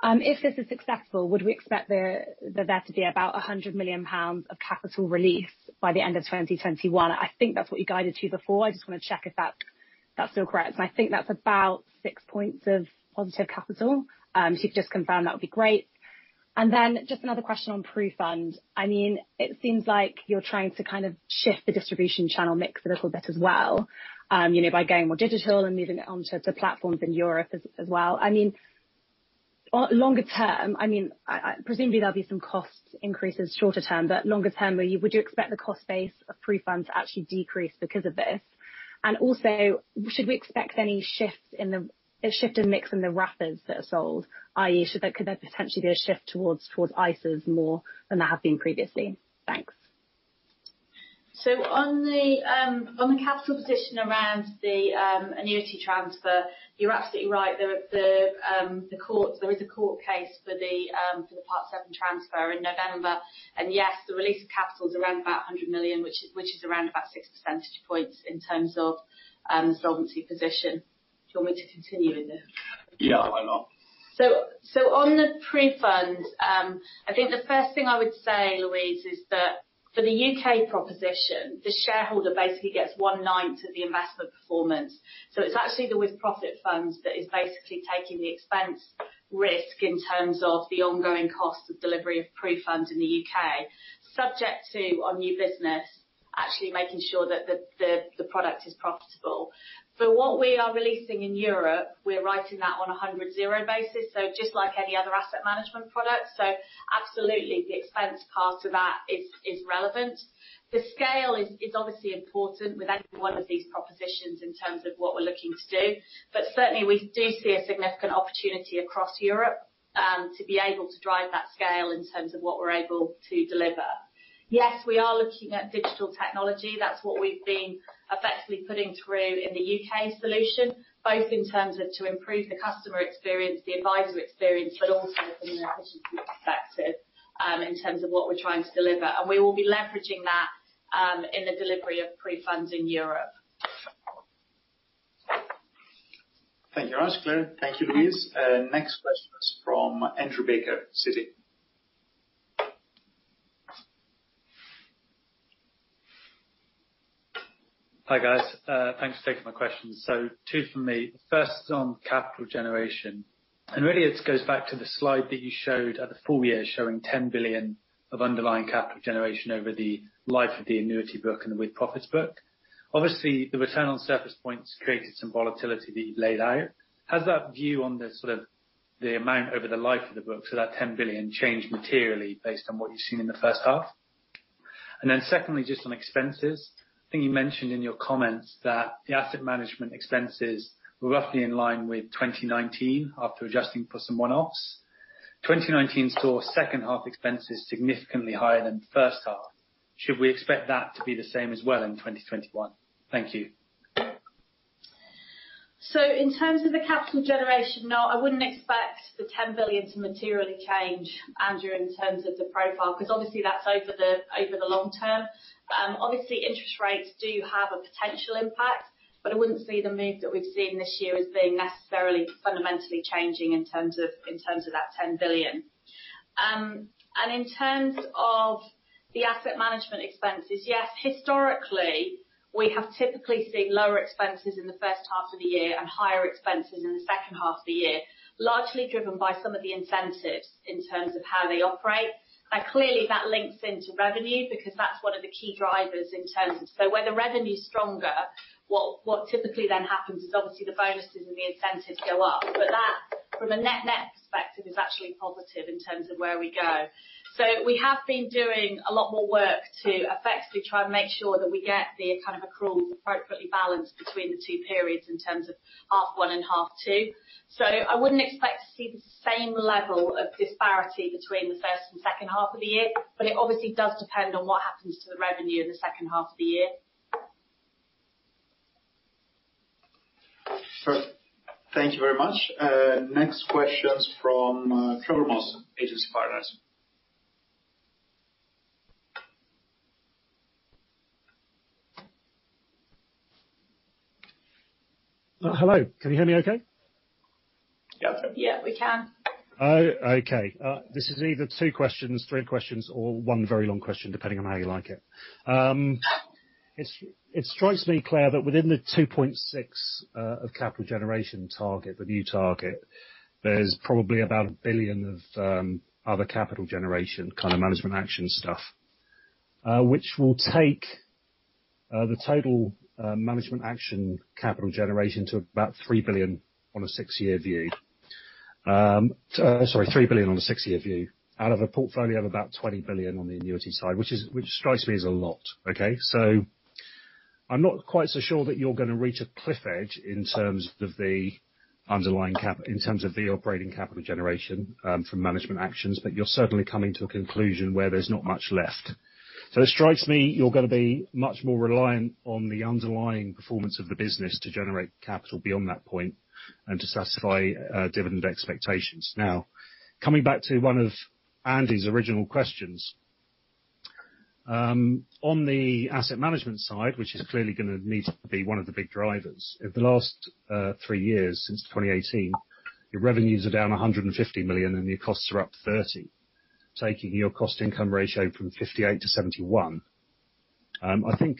If this is successful, would we expect there to be about 100 million pounds of capital release by the end of 2021? I think that's what you guided to before. I just want to check if that's still correct. I think that's about 6 points of positive capital. If you could just confirm, that would be great. Then just another question on PruFund. It seems like you're trying to shift the distribution channel mix a little bit as well, by going more digital and moving it onto platforms in Europe as well. Longer term, presumably there'll be some cost increases shorter term, but longer term, would you expect the cost base of PruFund to actually decrease because of this? Also, should we expect any shift in mix in the wrappers that are sold, i.e., could there potentially be a shift towards ISAs more than there have been previously? Thanks. On the capital position around the annuity transfer, you are absolutely right. There is a court case for the Part VII transfer in November. Yes, the release of capital is around about 100 million, which is around about 6 percentage points in terms of solvency position. Do you want me to continue? Yeah, why not? On the PruFund, I think the first thing I would say, Louise, is that for the U.K. proposition, the shareholder basically gets 1/9 of the investment performance. It's actually the with-profits funds that is basically taking the expense risk in terms of the ongoing cost of delivery of PruFund in the U.K., subject to our new business actually making sure that the product is profitable. For what we are releasing in Europe, we're writing that on a 100/0 basis, so just like any other asset management product. Absolutely, the expense part of that is relevant. The scale is obviously important with any one of these propositions in terms of what we're looking to do. Certainly we do see a significant opportunity across Europe, to be able to drive that scale in terms of what we're able to deliver. Yes, we are looking at digital technology. That's what we've been effectively putting through in the U.K. solution, both in terms of to improve the customer experience, the advisor experience, but also from an efficiency perspective, in terms of what we're trying to deliver. We will be leveraging that in the delivery of PruFunds in Europe. Thank you very much, Clare. Thank you, Louise. Next question is from Andrew Baker, Citi. Hi, guys. Thanks for taking my questions. Two from me. First on capital generation, really it goes back to the slide that you showed at the full year showing 10 billion of underlying capital generation over the life of the annuity book and the with-profits book. Obviously, the return on surface points created some volatility that you've laid out. Has that view on the amount over the life of the book, so that 10 billion, changed materially based on what you've seen in the first half? Secondly, just on expenses, I think you mentioned in your comments that the asset management expenses were roughly in line with 2019 after adjusting for some one-offs. 2019 saw second half expenses significantly higher than first half. Should we expect that to be the same as well in 2021? Thank you. In terms of the capital generation, no, I wouldn't expect the 10 billion to materially change, Andrew, in terms of the profile, because obviously that's over the long term. Obviously, interest rates do have a potential impact, but I wouldn't see the move that we've seen this year as being necessarily fundamentally changing in terms of that 10 billion. In terms of the asset management expenses, yes, historically, we have typically seen lower expenses in the first half of the year and higher expenses in the second half of the year, largely driven by some of the incentives in terms of how they operate. Clearly that links into revenue because that's one of the key drivers in terms of where the revenue is stronger, what typically then happens is obviously the bonuses and the incentives go up. That, from a net perspective, is actually positive in terms of where we go. We have been doing a lot more work to effectively try and make sure that we get the accruals appropriately balanced between the two periods in terms of half one and half two. I wouldn't expect to see the same level of disparity between the first and second half of the year, but it obviously does depend on what happens to the revenue in the second half of the year. Perfect. Thank you very much. Next question is from Trevor Moss, Agency Partners. Hello. Can you hear me okay? Yeah. Yeah, we can. Okay. This is either two questions, three questions, or one very long question, depending on how you like it. It strikes me, Clare, that within the 2.6 billion of capital generation target, the new target, there's probably about 1 billion of other capital generation kind of management action stuff, which will take the total management action capital generation to about 3 billion on a six-year view. Sorry, 3 billion on a six-year view out of a portfolio of about 20 billion on the annuity side, which strikes me as a lot. Okay. I'm not quite so sure that you're going to reach a cliff edge in terms of the operating capital generation from management actions, but you're certainly coming to a conclusion where there's not much left. It strikes me you're going to be much more reliant on the underlying performance of the business to generate capital beyond that point and to satisfy dividend expectations. Coming back to one of Andy's original questions on the asset management side, which is clearly going to need to be one of the big drivers. In the last three years, since 2018, your revenues are down 150 million, and your costs are up 30 million. Taking your cost income ratio from 58% to 71%. I think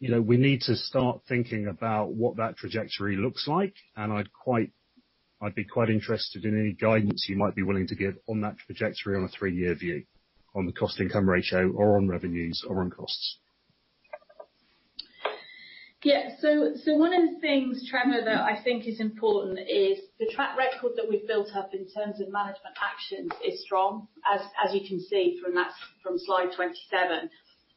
we need to start thinking about what that trajectory looks like, and I'd be quite interested in any guidance you might be willing to give on that trajectory on a three-year view, on the cost income ratio or on revenues or on costs. Yeah. One of the things, Trevor, that I think is important is the track record that we've built up in terms of management actions is strong, as you can see from slide 27.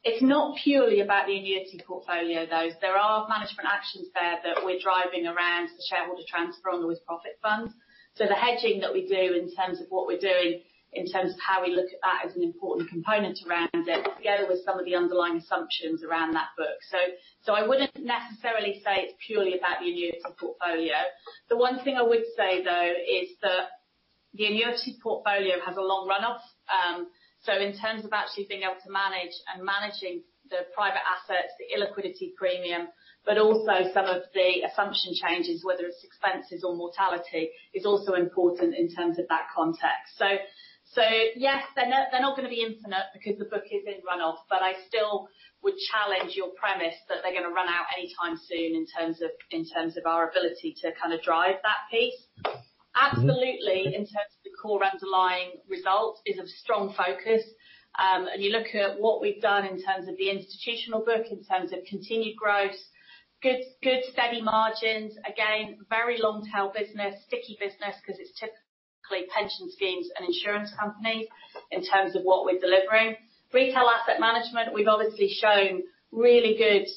It's not purely about the annuity portfolio, though. There are management actions there that we're driving around the shareholder transfer on the with profit fund. The hedging that we do in terms of what we're doing, in terms of how we look at that, is an important component around it, together with some of the underlying assumptions around that book. I wouldn't necessarily say it's purely about the annuity portfolio. The one thing I would say, though, is that the annuity portfolio has a long run-off. In terms of actually being able to manage and managing the private assets, the illiquidity premium, but also some of the assumption changes, whether it's expenses or mortality, is also important in terms of that context. Yes, they're not going to be infinite because the book is in run-off, but I still would challenge your premise that they're going to run out anytime soon in terms of our ability to drive that piece. Absolutely, in terms of the core underlying results is of strong focus. You look at what we've done in terms of the institutional book, in terms of continued growth, good steady margins. Again, very long-tail business, sticky business because it's typically pension schemes and insurance companies in terms of what we're delivering. Retail asset management, we've obviously shown really good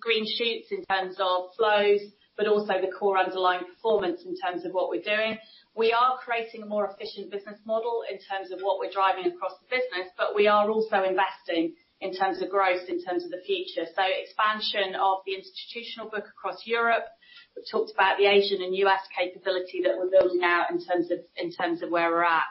green shoots in terms of flows, but also the core underlying performance in terms of what we're doing. We are creating a more efficient business model in terms of what we're driving across the business, but we are also investing in terms of growth in terms of the future. Expansion of the institutional book across Europe. We've talked about the Asian and U.S. capability that we're building out in terms of where we're at.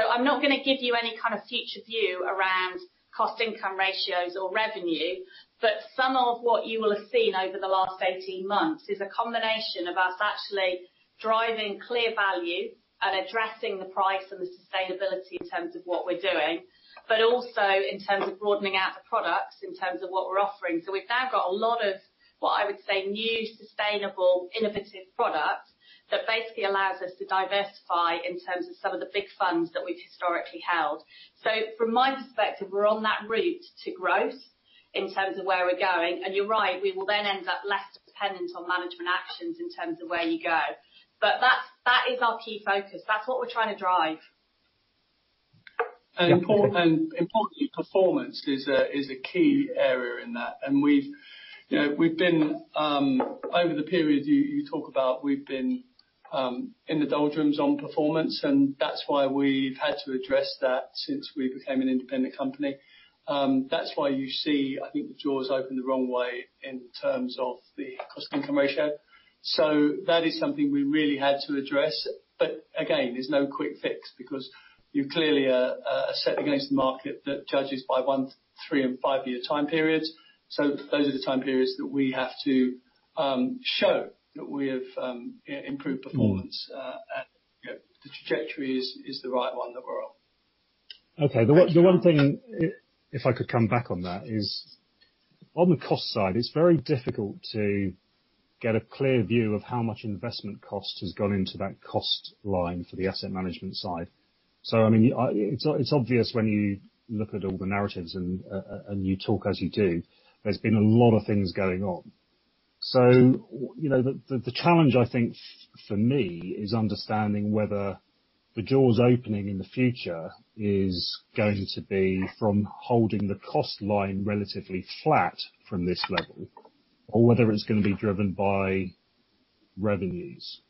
I'm not going to give you any kind of future view around cost income ratios or revenue, but some of what you will have seen over the last 18 months is a combination of us actually driving clear value and addressing the price and the sustainability in terms of what we're doing. Also in terms of broadening out the products in terms of what we're offering. We've now got a lot of, what I would say, new, sustainable, innovative products that basically allows us to diversify in terms of some of the big funds that we've historically held. From my perspective, we're on that route to growth in terms of where we're going. You're right, we will then end up less dependent on management actions in terms of where you go. That is our key focus. That's what we're trying to drive. Yeah. Importantly, performance is a key area in that. Over the period you talk about, we've been in the doldrums on performance, and that's why we've had to address that since we became an independent company. That's why you see, I think the doors open the wrong way in terms of the cost income ratio. That is something we really had to address. But again, there's no quick fix because you clearly are set against a market that judges by one, three and five-year time periods. Those are the time periods that we have to show that we have improved performance. The trajectory is the right one that we're on. Okay. The one thing, if I could come back on that, is on the cost side, it's very difficult to get a clear view of how much investment cost has gone into that cost line for the asset management side. It's obvious when you look at all the narratives and you talk as you do, there's been a lot of things going on. The challenge I think for me, is understanding whether the doors opening in the future is going to be from holding the cost line relatively flat from this level, or whether it's going to be driven by revenues.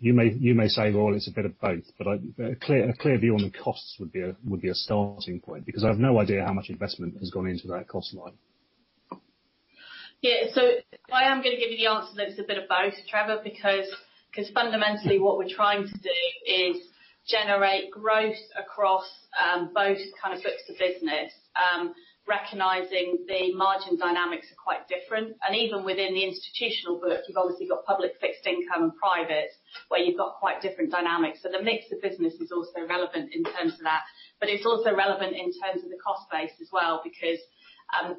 You may say, "Well, it's a bit of both," but a clear view on the costs would be a starting point, because I have no idea how much investment has gone into that cost line. Yeah. I am going to give you the answer that it's a bit of both, Trevor, because fundamentally what we're trying to do is generate growth across both books of business, recognizing the margin dynamics are quite different. Even within the institutional book, you've obviously got public fixed income and private where you've got quite different dynamics. The mix of business is also relevant in terms of that. It's also relevant in terms of the cost base as well, because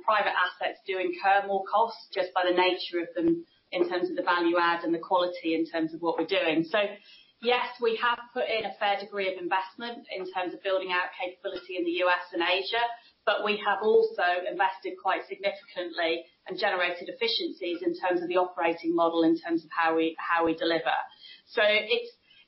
private assets do incur more costs just by the nature of them in terms of the value add and the quality in terms of what we're doing. Yes, we have put in a fair degree of investment in terms of building out capability in the U.S. and Asia, but we have also invested quite significantly and generated efficiencies in terms of the operating model in terms of how we deliver.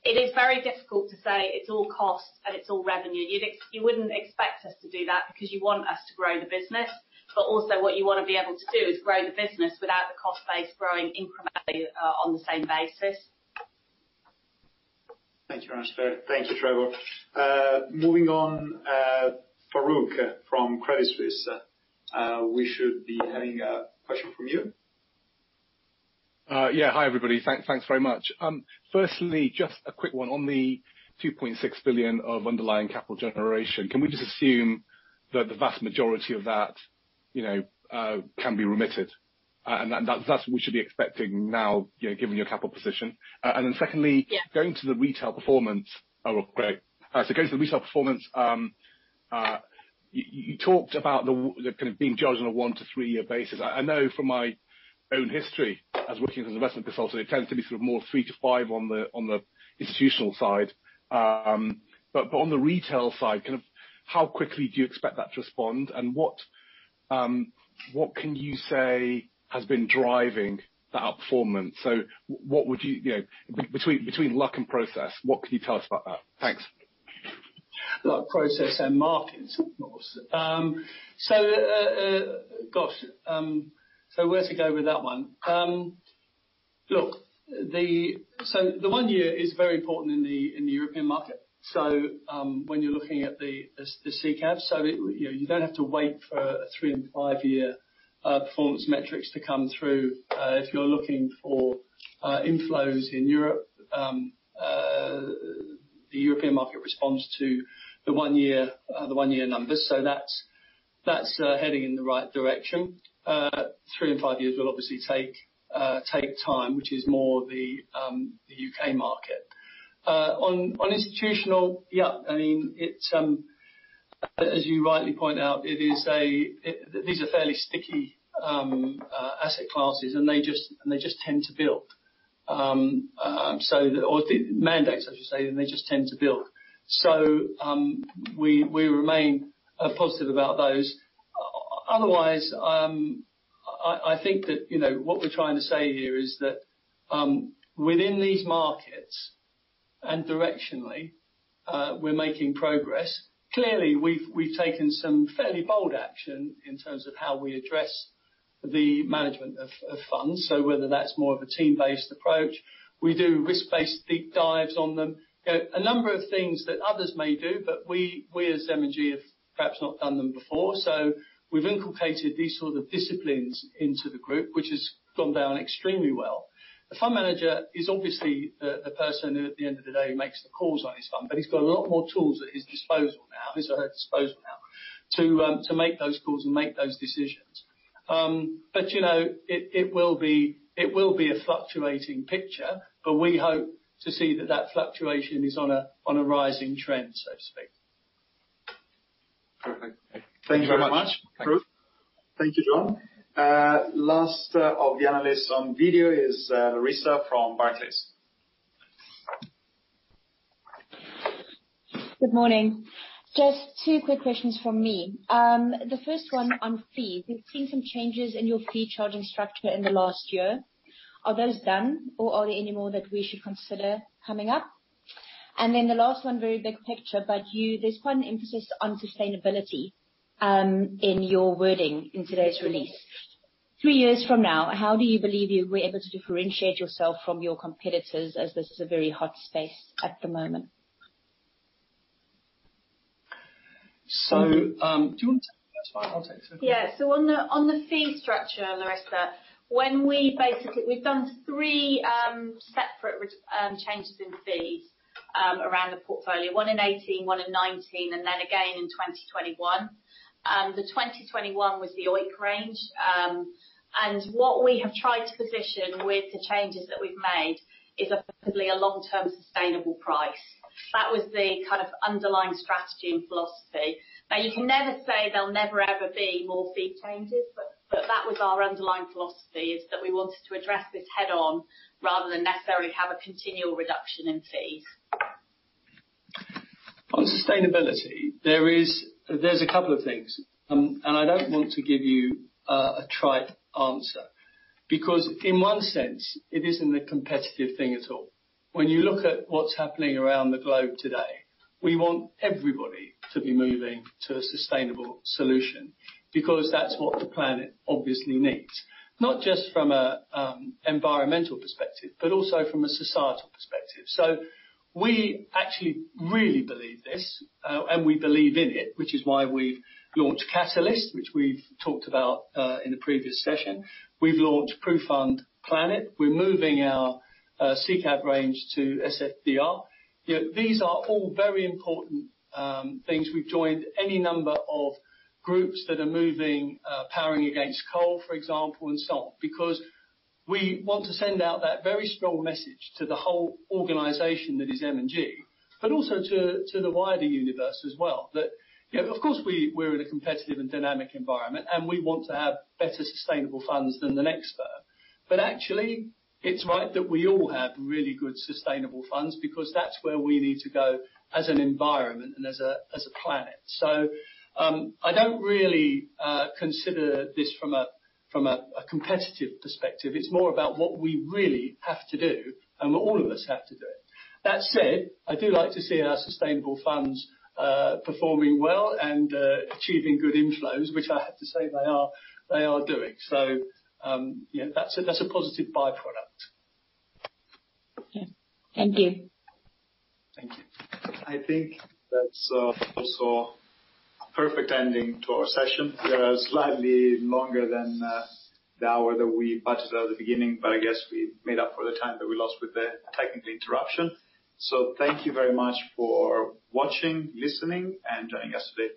It is very difficult to say it's all cost and it's all revenue. You wouldn't expect us to do that because you want us to grow the business. Also what you want to be able to do is grow the business without the cost base growing incrementally on the same basis. Thank you very much, Clare. Thank you, Trevor. Moving on, Farooq from Credit Suisse. We should be having a question from you. Yeah. Hi, everybody. Thanks very much. Firstly, just a quick one on the 2.6 billion of underlying capital generation. Can we just assume that the vast majority of that can be remitted? That's what we should be expecting now, given your capital position. Secondly. Yeah Oh, great. Going to the retail performance, you talked about being judged on a one to three-year basis. I know from my own history as working as an investment consultant, it tends to be more three to five on the institutional side. On the retail side, how quickly do you expect that to respond, and what can you say has been driving that outperformance? Between luck and process, what can you tell us about that? Thanks. Luck, process, and markets, of course. Gosh. Where to go with that one? Look, the one year is very important in the European market. When you're looking at the SICAV, you don't have to wait for a three- and five-year performance metrics to come through if you're looking for inflows in Europe. The European market responds to the 1-year numbers. That's heading in the right direction. Three and five years will obviously take time, which is more the U.K. market. On institutional, yeah, as you rightly point out, these are fairly sticky asset classes, and they just tend to build. Or the mandates, I should say, and they just tend to build. We remain positive about those. Otherwise, I think that what we're trying to say here is that within these markets, and directionally, we're making progress. Clearly, we've taken some fairly bold action in terms of how we address the management of funds. Whether that's more of a team-based approach. We do risk-based deep dives on them. A number of things that others may do, but we as M&G have perhaps not done them before. We've inculcated these sort of disciplines into the group, which has gone down extremely well. The fund manager is obviously the person who, at the end of the day, makes the calls on his fund, but he's got a lot more tools at his disposal now, his or her disposal now, to make those calls and make those decisions. It will be a fluctuating picture, but we hope to see that that fluctuation is on a rising trend, so to speak. Perfect. Thank you very much. Thank you very much Farooq. Thank you, John. Last of the analysts on video is Larissa from Barclays. Good morning. Just two quick questions from me. The first one on fees. We've seen some changes in your fee charging structure in the last year. Are those done, or are there any more that we should consider coming up? The last one, very big picture, but there's quite an emphasis on sustainability in your wording in today's release. Three years from now, how do you believe you'll be able to differentiate yourself from your competitors as this is a very hot space at the moment? Do you want to take that? If that's fine, I'll take the second one. Yeah. On the fee structure, Larissa, we've done three separate changes in fees around the portfolio. One in 2018, one in 2019, and then again in 2021. The 2021 was the OEIC range. What we have tried to position with the changes that we've made is effectively a long-term sustainable price. That was the kind of underlying strategy and philosophy. You can never say there'll never ever be more fee changes, but that was our underlying philosophy, is that we wanted to address this head-on rather than necessarily have a continual reduction in fees. On sustainability, there's a couple of things, and I don't want to give you a trite answer, because in one sense, it isn't a competitive thing at all. When you look at what's happening around the globe today, we want everybody to be moving to a sustainable solution because that's what the planet obviously needs. Not just from an environmental perspective, but also from a societal perspective. We actually really believe this, and we believe in it, which is why we've launched Catalyst, which we've talked about in the previous session. We've launched PruFund Planet. We're moving our SICAV range to SFDR. These are all very important things. We've joined any number of groups that are moving, Powering Against Coal, for example, and so on. We want to send out that very strong message to the whole organization that is M&G, but also to the wider universe as well. Of course, we're in a competitive and dynamic environment, and we want to have better sustainable funds than the next firm. Actually, it's right that we all have really good sustainable funds because that's where we need to go as an environment and as a planet. I don't really consider this from a competitive perspective. It's more about what we really have to do and what all of us have to do. That said, I do like to see our sustainable funds performing well and achieving good inflows, which I have to say they are doing. That's a positive byproduct. Okay. Thank you. Thank you. I think that's also a perfect ending to our session. We are slightly longer than the hour that we budgeted at the beginning, but I guess we made up for the time that we lost with the technical interruption. Thank you very much for watching, listening, and joining us today.